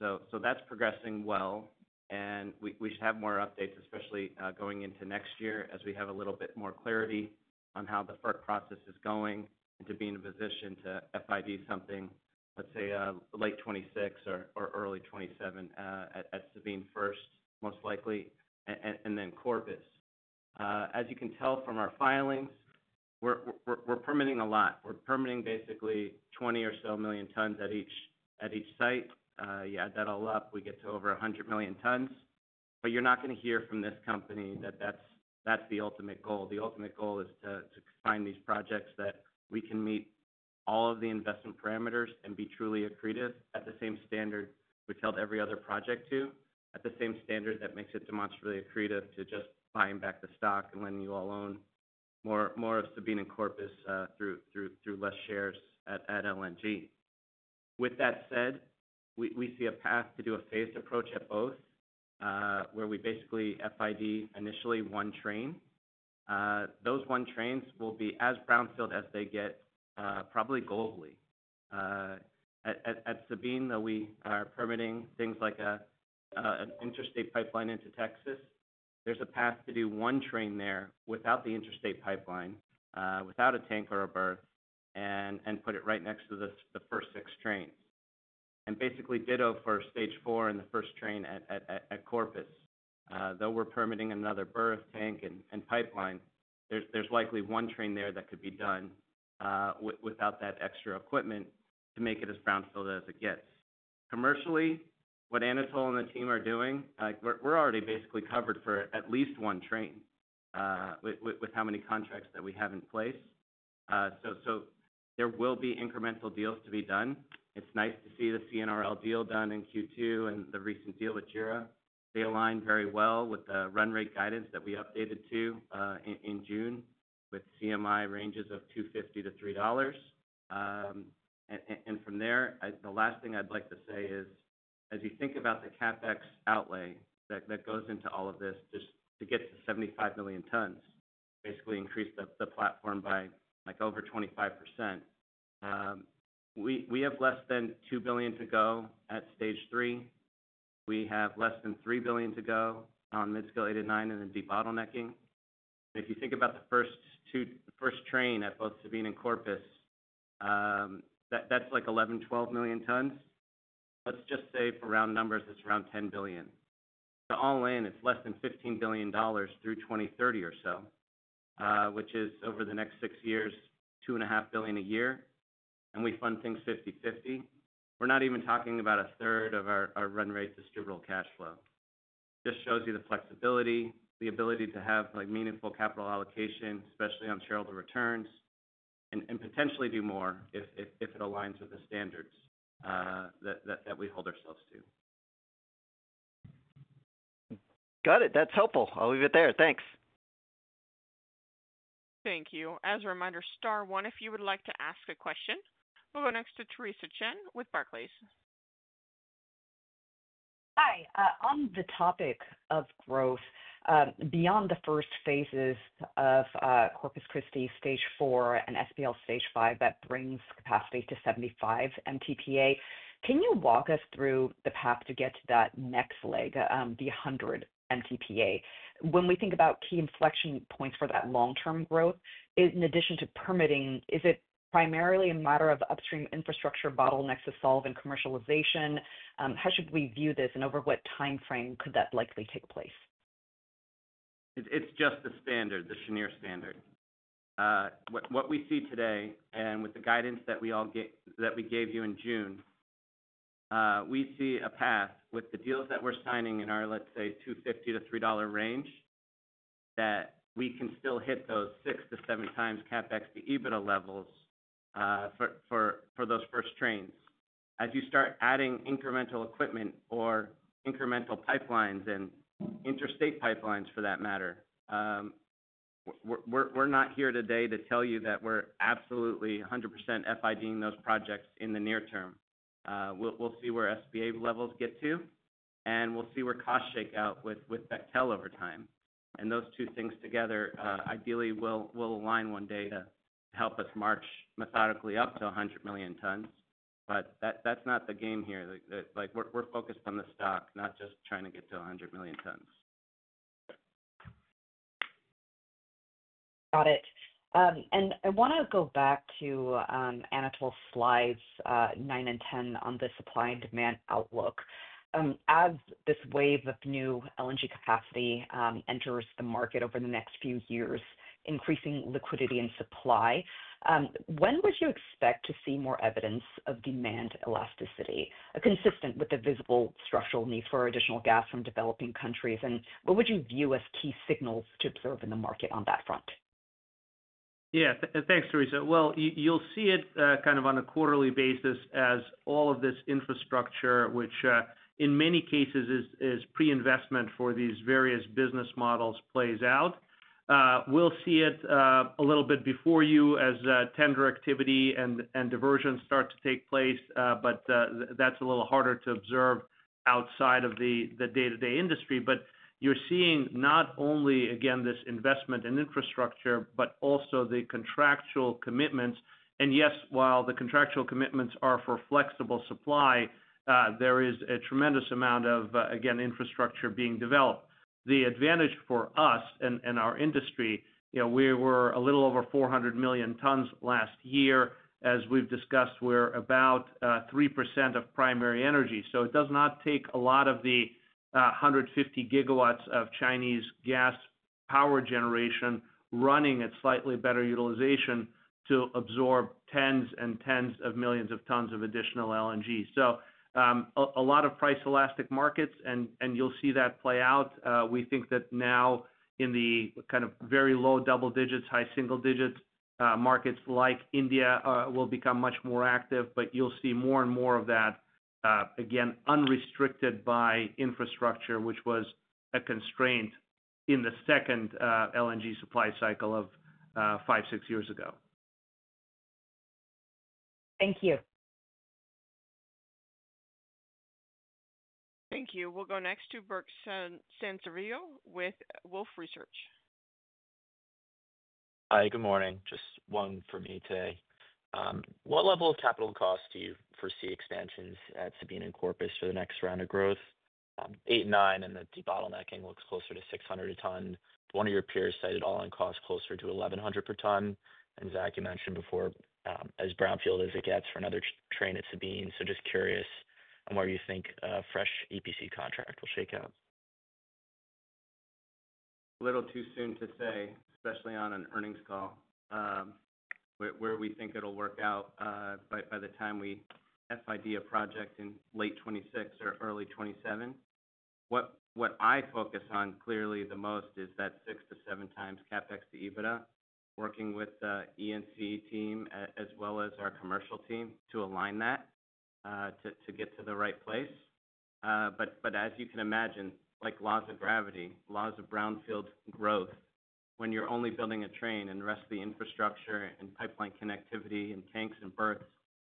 That's progressing well, and we should have more updates, especially going into next year, as we have a little bit more clarity on how the FERC process is going and to be in a position to FID something, let's say, late 2026 or early 2027 at Sabine first, most likely, and then Corpus. As you can tell from our filings, we're permitting a lot. We're permitting basically 20 or so million tons at each site. You add that all up, we get to over 100 million tons, but you're not going to hear from this company that that's the ultimate goal. The ultimate goal is to find these projects that we can meet all of the investment parameters and be truly accretive at the same standard we've held every other project to, at the same standard that makes it demonstrably accretive to just buying back the stock and letting you all own more of Sabine and Corpus through less shares at LNG. With that said, we see a path to do a phased approach at both, where we basically FID initially one train. Those one trains will be as brownfield as they get, probably globally. At Sabine, we are permitting things like an interstate pipeline into Texas. There's a path to do one train there without the interstate pipeline, without a tank or a berth, and put it right next to the first six trains. Basically, ditto for Stage 4 and the first train at Corpus. Though we're permitting another berth, tank, and pipeline, there's likely one train there that could be done without that extra equipment to make it as brownfield as it gets. Commercially, what Anatol and the team are doing, we're already basically covered for at least one train with how many contracts that we have in place. There will be incremental deals to be done. It's nice to see the CNRL deal done in Q2 and the recent deal with JERA. They align very well with the run rate guidance that we updated to in June with CMI ranges of $2.50-$3. From there, the last thing I'd like to say is, as you think about the CapEx outlay that goes into all of this, just to get to 75 million tons, basically increase the platform by like over 25%. We have less than $2 billion to go at Stage 3. We have less than $3 billion to go on Midscale 8 & 9 and then debottlenecking. If you think about the first train at both Sabine and Corpus, that's like 11 million tons, 12 million tons. Let's just say for round numbers, it's around $10 billion. All in, it's less than $15 billion through 2030 or so, which is over the next six years, $2.5 billion a year, and we fund things 50/50. We're not even talking about a third of our run rate distributable cash flow. This shows you the flexibility, the ability to have meaningful capital allocation, especially on shareholder returns, and potentially do more if it aligns with the standards that we hold ourselves to. Got it. That's helpful. I'll leave it there. Thanks. Thank you. As a reminder, star one if you would like to ask a question. We'll go next to Theresa Chen with Barclays. Hi. On the topic of growth, beyond the first phases of Corpus Christi Stage 4 and SPL Stage 5 that brings capacity to 75 MTPA, can you walk us through the path to get to that next leg, the 100 MTPA? When we think about key inflection points for that long-term growth, in addition to permitting, is it primarily a matter of upstream infrastructure bottlenecks to solve and commercialization? How should we view this, and over what timeframe could that likely take place? It's just the standard, the Cheniere standard. What we see today, and with the guidance that we gave you in June, we see a path with the deals that we're signing in our, let's say, $2.50-$3 range that we can still hit those six to seven times CapEx-to-EBITDA levels for those first trains. As you start adding incremental equipment or incremental pipelines and interstate pipelines for that matter, we're not here today to tell you that we're absolutely 100% FIDing those projects in the near term. We'll see where SPA levels get to, and we'll see where costs shake out with Bechtel Energy over time. Those two things together ideally will align one day to help us march methodically up to 100 million tons, but that's not the game here. We're focused on the stock, not just trying to get to 100 million tons. Got it. I want to go back to Anatol's slides nine and 10 on the supply and demand outlook. As this wave of new LNG capacity enters the market over the next few years, increasing liquidity and supply, when would you expect to see more evidence of demand elasticity, consistent with the visible structural need for additional gas from developing countries? What would you view as key signals to observe in the market on that front? Thank you, Theresa. You'll see it kind of on a quarterly basis as all of this infrastructure, which in many cases is pre-investment for these various business models, plays out. We'll see it a little bit before you as tender activity and diversion start to take place, but that's a little harder to observe outside of the day-to-day industry. You're seeing not only, again, this investment in infrastructure, but also the contractual commitments. Yes, while the contractual commitments are for flexible supply, there is a tremendous amount of, again, infrastructure being developed. The advantage for us and our industry, you know, we were a little over 400 million tons last year. As we've discussed, we're about 3% of primary energy. It does not take a lot of the 150 GW of Chinese gas power generation running at slightly better utilization to absorb tens and tens of millions of tons of additional LNG. A lot of price-elastic markets, and you'll see that play out. We think that now in the kind of very low double-digits, high single digit markets like India will become much more active, but you'll see more and more of that, again, unrestricted by infrastructure, which was a constraint in the second LNG supply cycle of five, six years ago. Thank you. Thank you. We'll go next to Burke Santorio with Wolfe Research. Hi, good morning. Just one for me today. What level of capital cost do you foresee expansions at Sabine and Corpus for the next round of growth? Eight and nine and the debottlenecking looks closer to $600 a ton. One of your peers cited all-in costs closer to $1,100 per ton. Zach, you mentioned before, as brownfield as it gets for another train at Sabine. Just curious on where you think a fresh EPC contract will shake out. A little too soon to say, especially on an earnings call, where we think it'll work out by the time we FID a project in late 2026 or early 2027. What I focus on clearly the most is that six to seven times CapEx to EBITDA, working with the E&C team as well as our commercial team to align that to get to the right place. As you can imagine, like laws of gravity, laws of brownfield growth, when you're only building a train and the rest of the infrastructure and pipeline connectivity and tanks and berths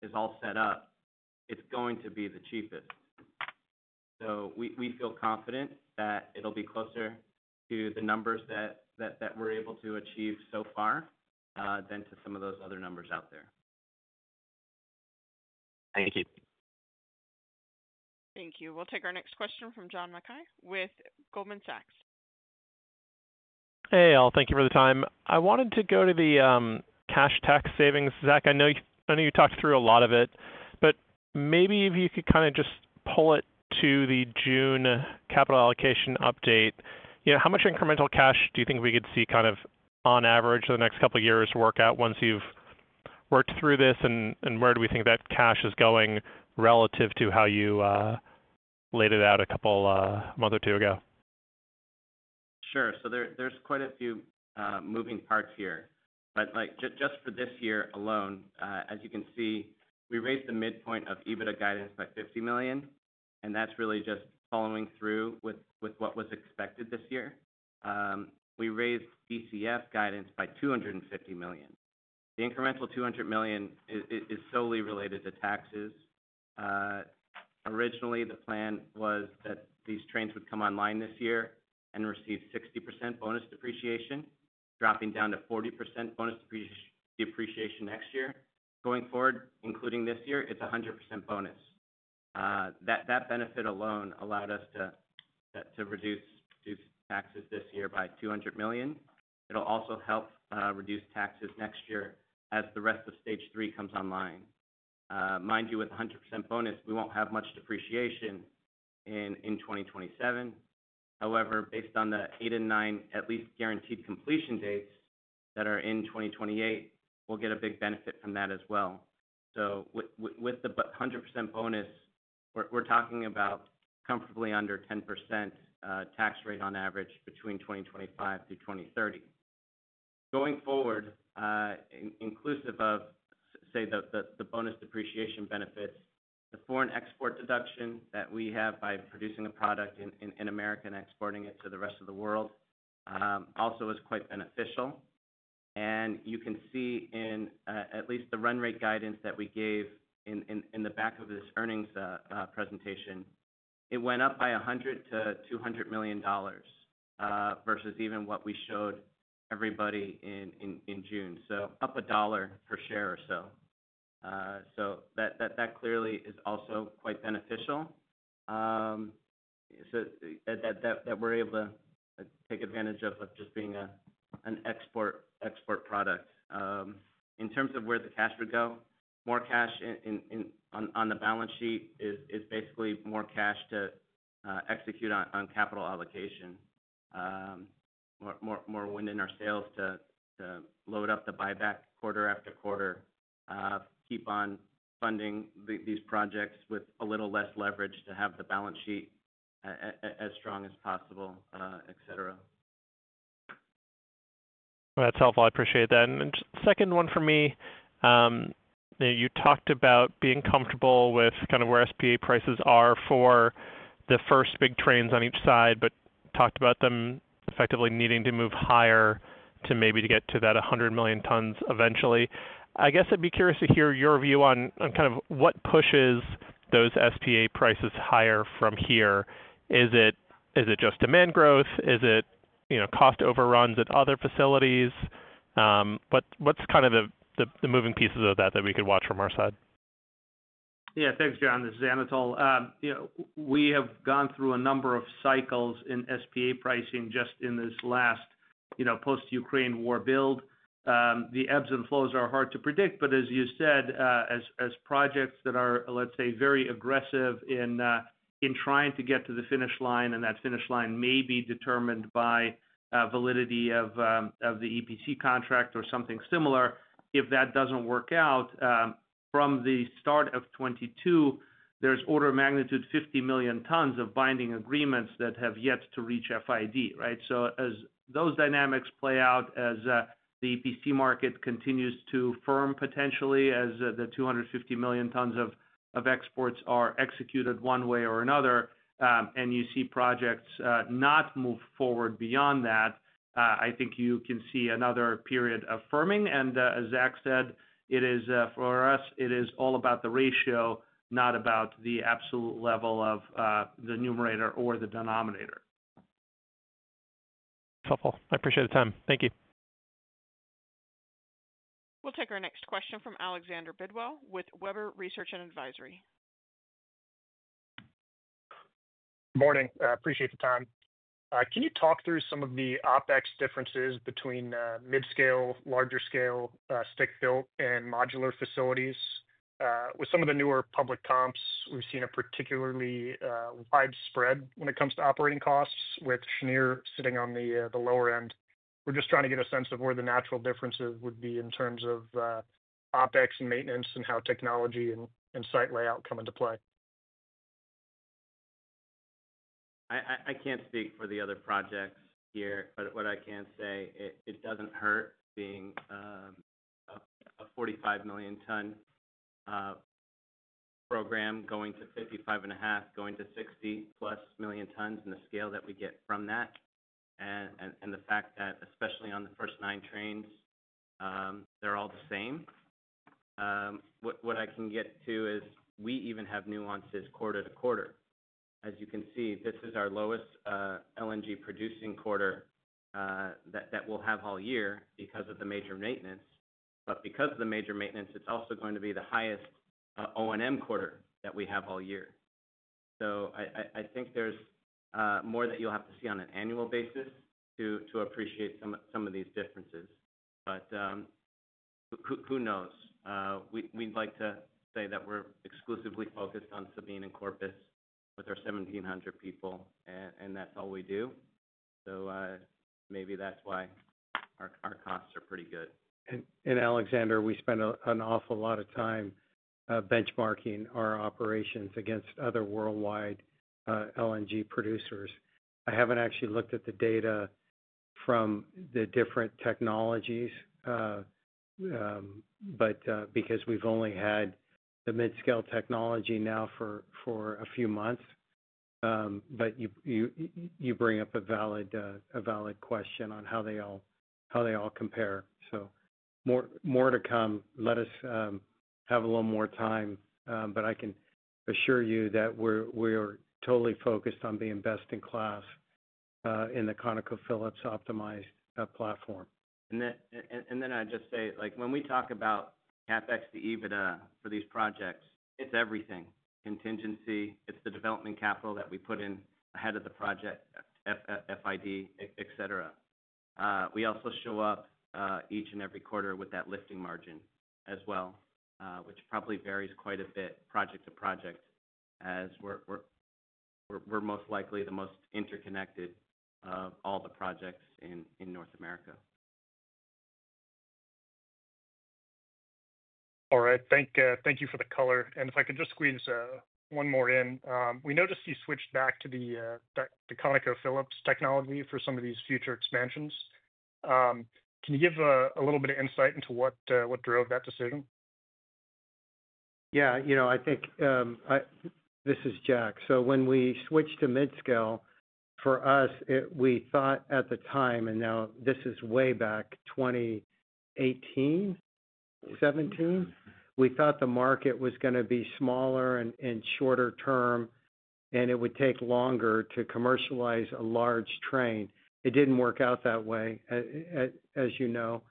is all set up, it's going to be the cheapest. We feel confident that it'll be closer to the numbers that we're able to achieve so far than to some of those other numbers out there. Thank you. Thank you. We'll take our next question from John Mackay with Goldman Sachs. Hey, all, thank you for the time. I wanted to go to the cash tax savings. Zach, I know you talked through a lot of it, but maybe if you could just pull it to the June capital allocation update. How much incremental cash do you think we could see on average the next couple of years work out once you've worked through this? Where do we think that cash is going relative to how you laid it out a month or two ago? Sure. There are quite a few moving parts here. For this year alone, as you can see, we raised the midpoint of EBITDA guidance by $50 million, and that's really just following through with what was expected this year. We raised DCF guidance by $250 million. The incremental $200 million is solely related to taxes. Originally, the plan was that these trains would come online this year and receive 60% bonus depreciation, dropping down to 40% bonus depreciation next year. Going forward, including this year, it's 100% bonus. That benefit alone allowed us to reduce taxes this year by $200 million. It'll also help reduce taxes next year as the rest of Stage 3 comes online. Mind you, with 100% bonus, we won't have much depreciation in 2027. However, based on the eight and nine at least guaranteed completion dates that are in 2028, we'll get a big benefit from that as well. With the 100% bonus, we're talking about comfortably under 10% tax rate on average between 2025 through 2030. Going forward, inclusive of, say, the bonus depreciation benefits, the foreign export deduction that we have by producing a product in the U.S. and exporting it to the rest of the world also is quite beneficial. You can see in at least the run rate guidance that we gave in the back of this earnings presentation, it went up by $100 million-$200 million versus even what we showed everybody in June, up a dollar per share or so. That clearly is also quite beneficial, so that we're able to take advantage of just being an export product. In terms of where the cash would go, more cash on the balance sheet is basically more cash to execute on capital allocation, more wind in our sails to load up the buyback quarter after quarter, keep on funding these projects with a little less leverage to have the balance sheet as strong as possible, etc. That's helpful. I appreciate that. Second one for me, you talked about being comfortable with kind of where SPA prices are for the first big trains on each side, but talked about them effectively needing to move higher to maybe get to that 100 million tons eventually. I guess I'd be curious to hear your view on kind of what pushes those SPA prices higher from here. Is it just demand growth? Is it cost overruns at other facilities? What's kind of the moving pieces of that that we could watch from our side? Yeah, thanks, John. This is Anatol. We have gone through a number of cycles in SPA pricing just in this last post-Ukraine war build. The ebbs and flows are hard to predict, but as you said, as projects that are, let's say, very aggressive in trying to get to the finish line, and that finish line may be determined by validity of the EPC contract or something similar, if that doesn't work out, from the start of 2022, there's order of magnitude 50 million tons of binding agreements that have yet to reach FID, right? As those dynamics play out, as the EPC market continues to firm potentially, as the 250 million tons of exports are executed one way or another, and you see projects not move forward beyond that, I think you can see another period of firming. As Zach said, it is for us, it is all about the ratio, not about the absolute level of the numerator or the denominator. Helpful. I appreciate the time. Thank you. We'll take our next question from Alexander Bidwell with Webb Research and Advisory. Good morning. I appreciate the time. Can you talk through some of the OpEx differences between mid-scale, larger scale, stick-built, and modular facilities? With some of the newer public comps, we've seen a particularly wide spread when it comes to operating costs, with Cheniere sitting on the lower end. We're just trying to get a sense of where the natural differences would be in terms of OpEx and maintenance and how technology and site layout come into play. I can't speak for the other projects here, but what I can say, it doesn't hurt being a 45 million ton program going to 55.5, going to 60+ million tons in the scale that we get from that, and the fact that especially on the first nine trains, they're all the same. What I can get to is we even have nuances quarter to quarter. As you can see, this is our lowest LNG producing quarter that we'll have all year because of the major maintenance, but because of the major maintenance, it's also going to be the highest O&M quarter that we have all year. I think there's more that you'll have to see on an annual basis to appreciate some of these differences, but who knows? We'd like to say that we're exclusively focused on Sabine and Corpus with our 1,700 people, and that's all we do. Maybe that's why our costs are pretty good. We spend an awful lot of time benchmarking our operations against other worldwide LNG producers. I haven't actually looked at the data from the different technologies, but because we've only had the mid-scale technology now for a few months, you bring up a valid question on how they all compare. More to come. Let us have a little more time, but I can assure you that we are totally focused on being best in class in the ConocoPhillips optimized platform. When we talk about CapEx-to-EBITDA for these projects, it's everything. Contingency, it's the development capital that we put in ahead of the project, FID, et cetera. We also show up each and every quarter with that lifting margin as well, which probably varies quite a bit project to project as we're most likely the most interconnected of all the projects in North America. All right. Thank you for the color. If I could just squeeze one more in, we noticed you switched back to the ConocoPhillips technology for some of these future expansions. Can you give a little bit of insight into what drove that decision? Yeah, you know, I think this is Jack. When we switched to mid-scale, for us, we thought at the time, and now this is way back 2018, 2017, we thought the market was going to be smaller and shorter term, and it would take longer to commercialize a large train. It didn't work out that way, as you know,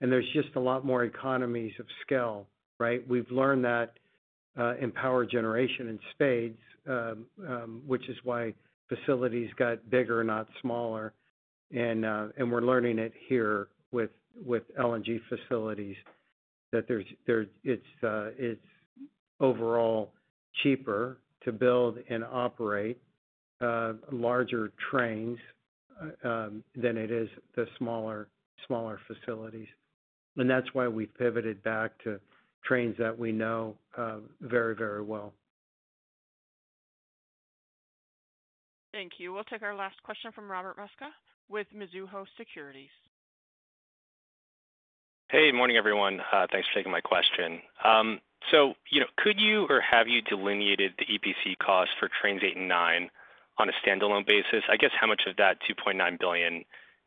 and there's just a lot more economies of scale, right? We've learned that in power generation in spades, which is why facilities got bigger, not smaller, and we're learning it here with LNG facilities that it's overall cheaper to build and operate larger trains than it is the smaller facilities. That's why we pivoted back to trains that we know very, very well. Thank you. We'll take our last question from Robert Mosca with Mizuho Securities. Good morning, everyone. Thanks for taking my question. Could you or have you delineated the EPC costs for trains eight and nine on a standalone basis? I guess how much of that $2.9 billion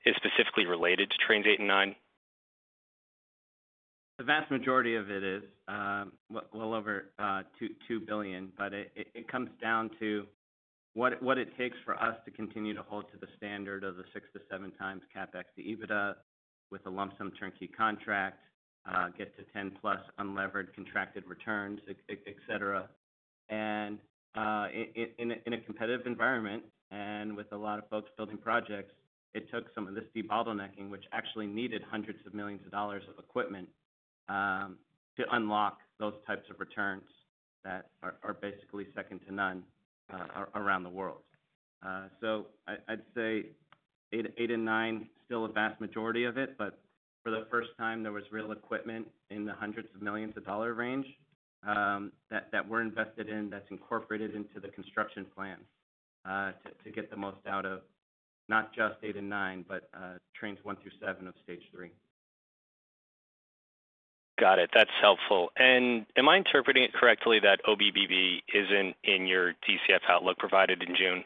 is specifically related to trains eight and nine? The vast majority of it is a little over $2 billion, but it comes down to what it takes for us to continue to hold to the standard of the six to seven times CapEx-to-EBITDA with a lump sum turnkey contract, get to 10%+ unlevered contracted returns, et cetera. In a competitive environment and with a lot of folks building projects, it took some of this debottlenecking, which actually needed hundreds of millions of dollars of equipment to unlock those types of returns that are basically second to none around the world. I'd say eight and nine is still a vast majority of it, but for the first time, there was real equipment in the hundreds of millions of dollar range that we're invested in that's incorporated into the construction plan to get the most out of not just eight and nine, but trains one through seven of Stage 3. Got it. That's helpful. Am I interpreting it correctly that OBBB isn't in your DCF outlook provided in June?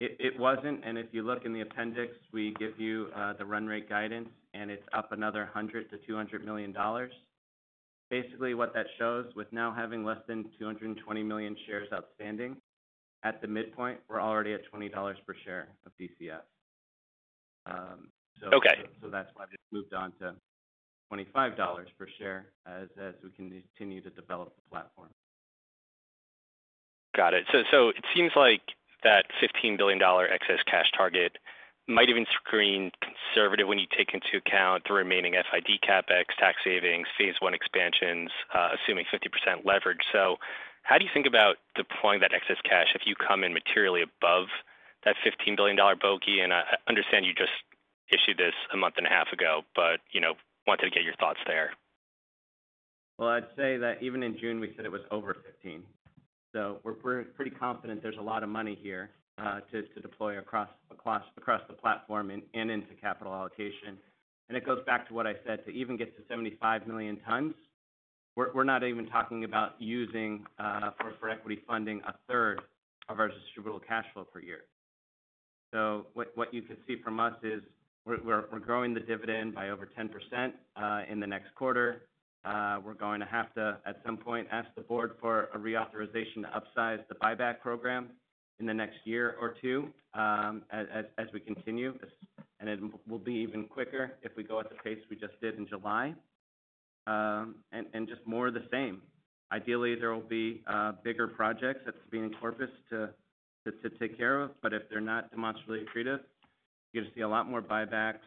It wasn't, and if you look in the appendix, we give you the run rate guidance, and it's up another $100 to $200 million. Basically, what that shows with now having less than 220 million shares outstanding, at the midpoint, we're already at $20 per share of DCF. That's why we've moved on to $25 per share as we continue to develop the platform. Got it. It seems like that $15 billion excess cash target might even screen conservative when you take into account the remaining FID CapEx, tax savings, phase one expansions, assuming 50% leverage. How do you think about deploying that excess cash if you come in materially above that $15 billion bogey? I understand you just issued this a month and a half ago, but wanted to get your thoughts there. Even in June, we said it was over $15 billion. We're pretty confident there's a lot of money here to deploy across the platform and into capital allocation. It goes back to what I said, to even get to 75 million tons, we're not even talking about using for equity funding a third of our distributed cash flow per year. What you could see from us is we're growing the dividend by over 10% in the next quarter. We're going to have to, at some point, ask the board for a reauthorization to upsize the buyback program in the next year or two as we continue. It will be even quicker if we go at the pace we just did in July. Just more of the same. Ideally, there will be bigger projects that's being enforced to take care of. If they're not demonstrably freed up, you're going to see a lot more buybacks,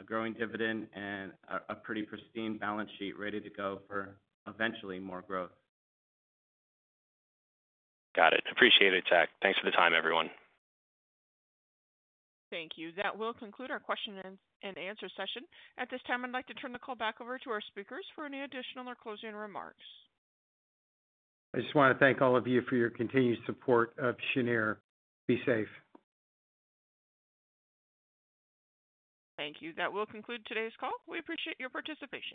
a growing dividend, and a pretty pristine balance sheet ready to go for eventually more growth. Got it. Appreciate it, Zach. Thanks for the time, everyone. Thank you. That will conclude our question and answer session. At this time, I'd like to turn the call back over to our speakers for any additional or closing remarks. I just want to thank all of you for your continued support of Cheniere Energy. Be safe. Thank you. That will conclude today's call. We appreciate your participation.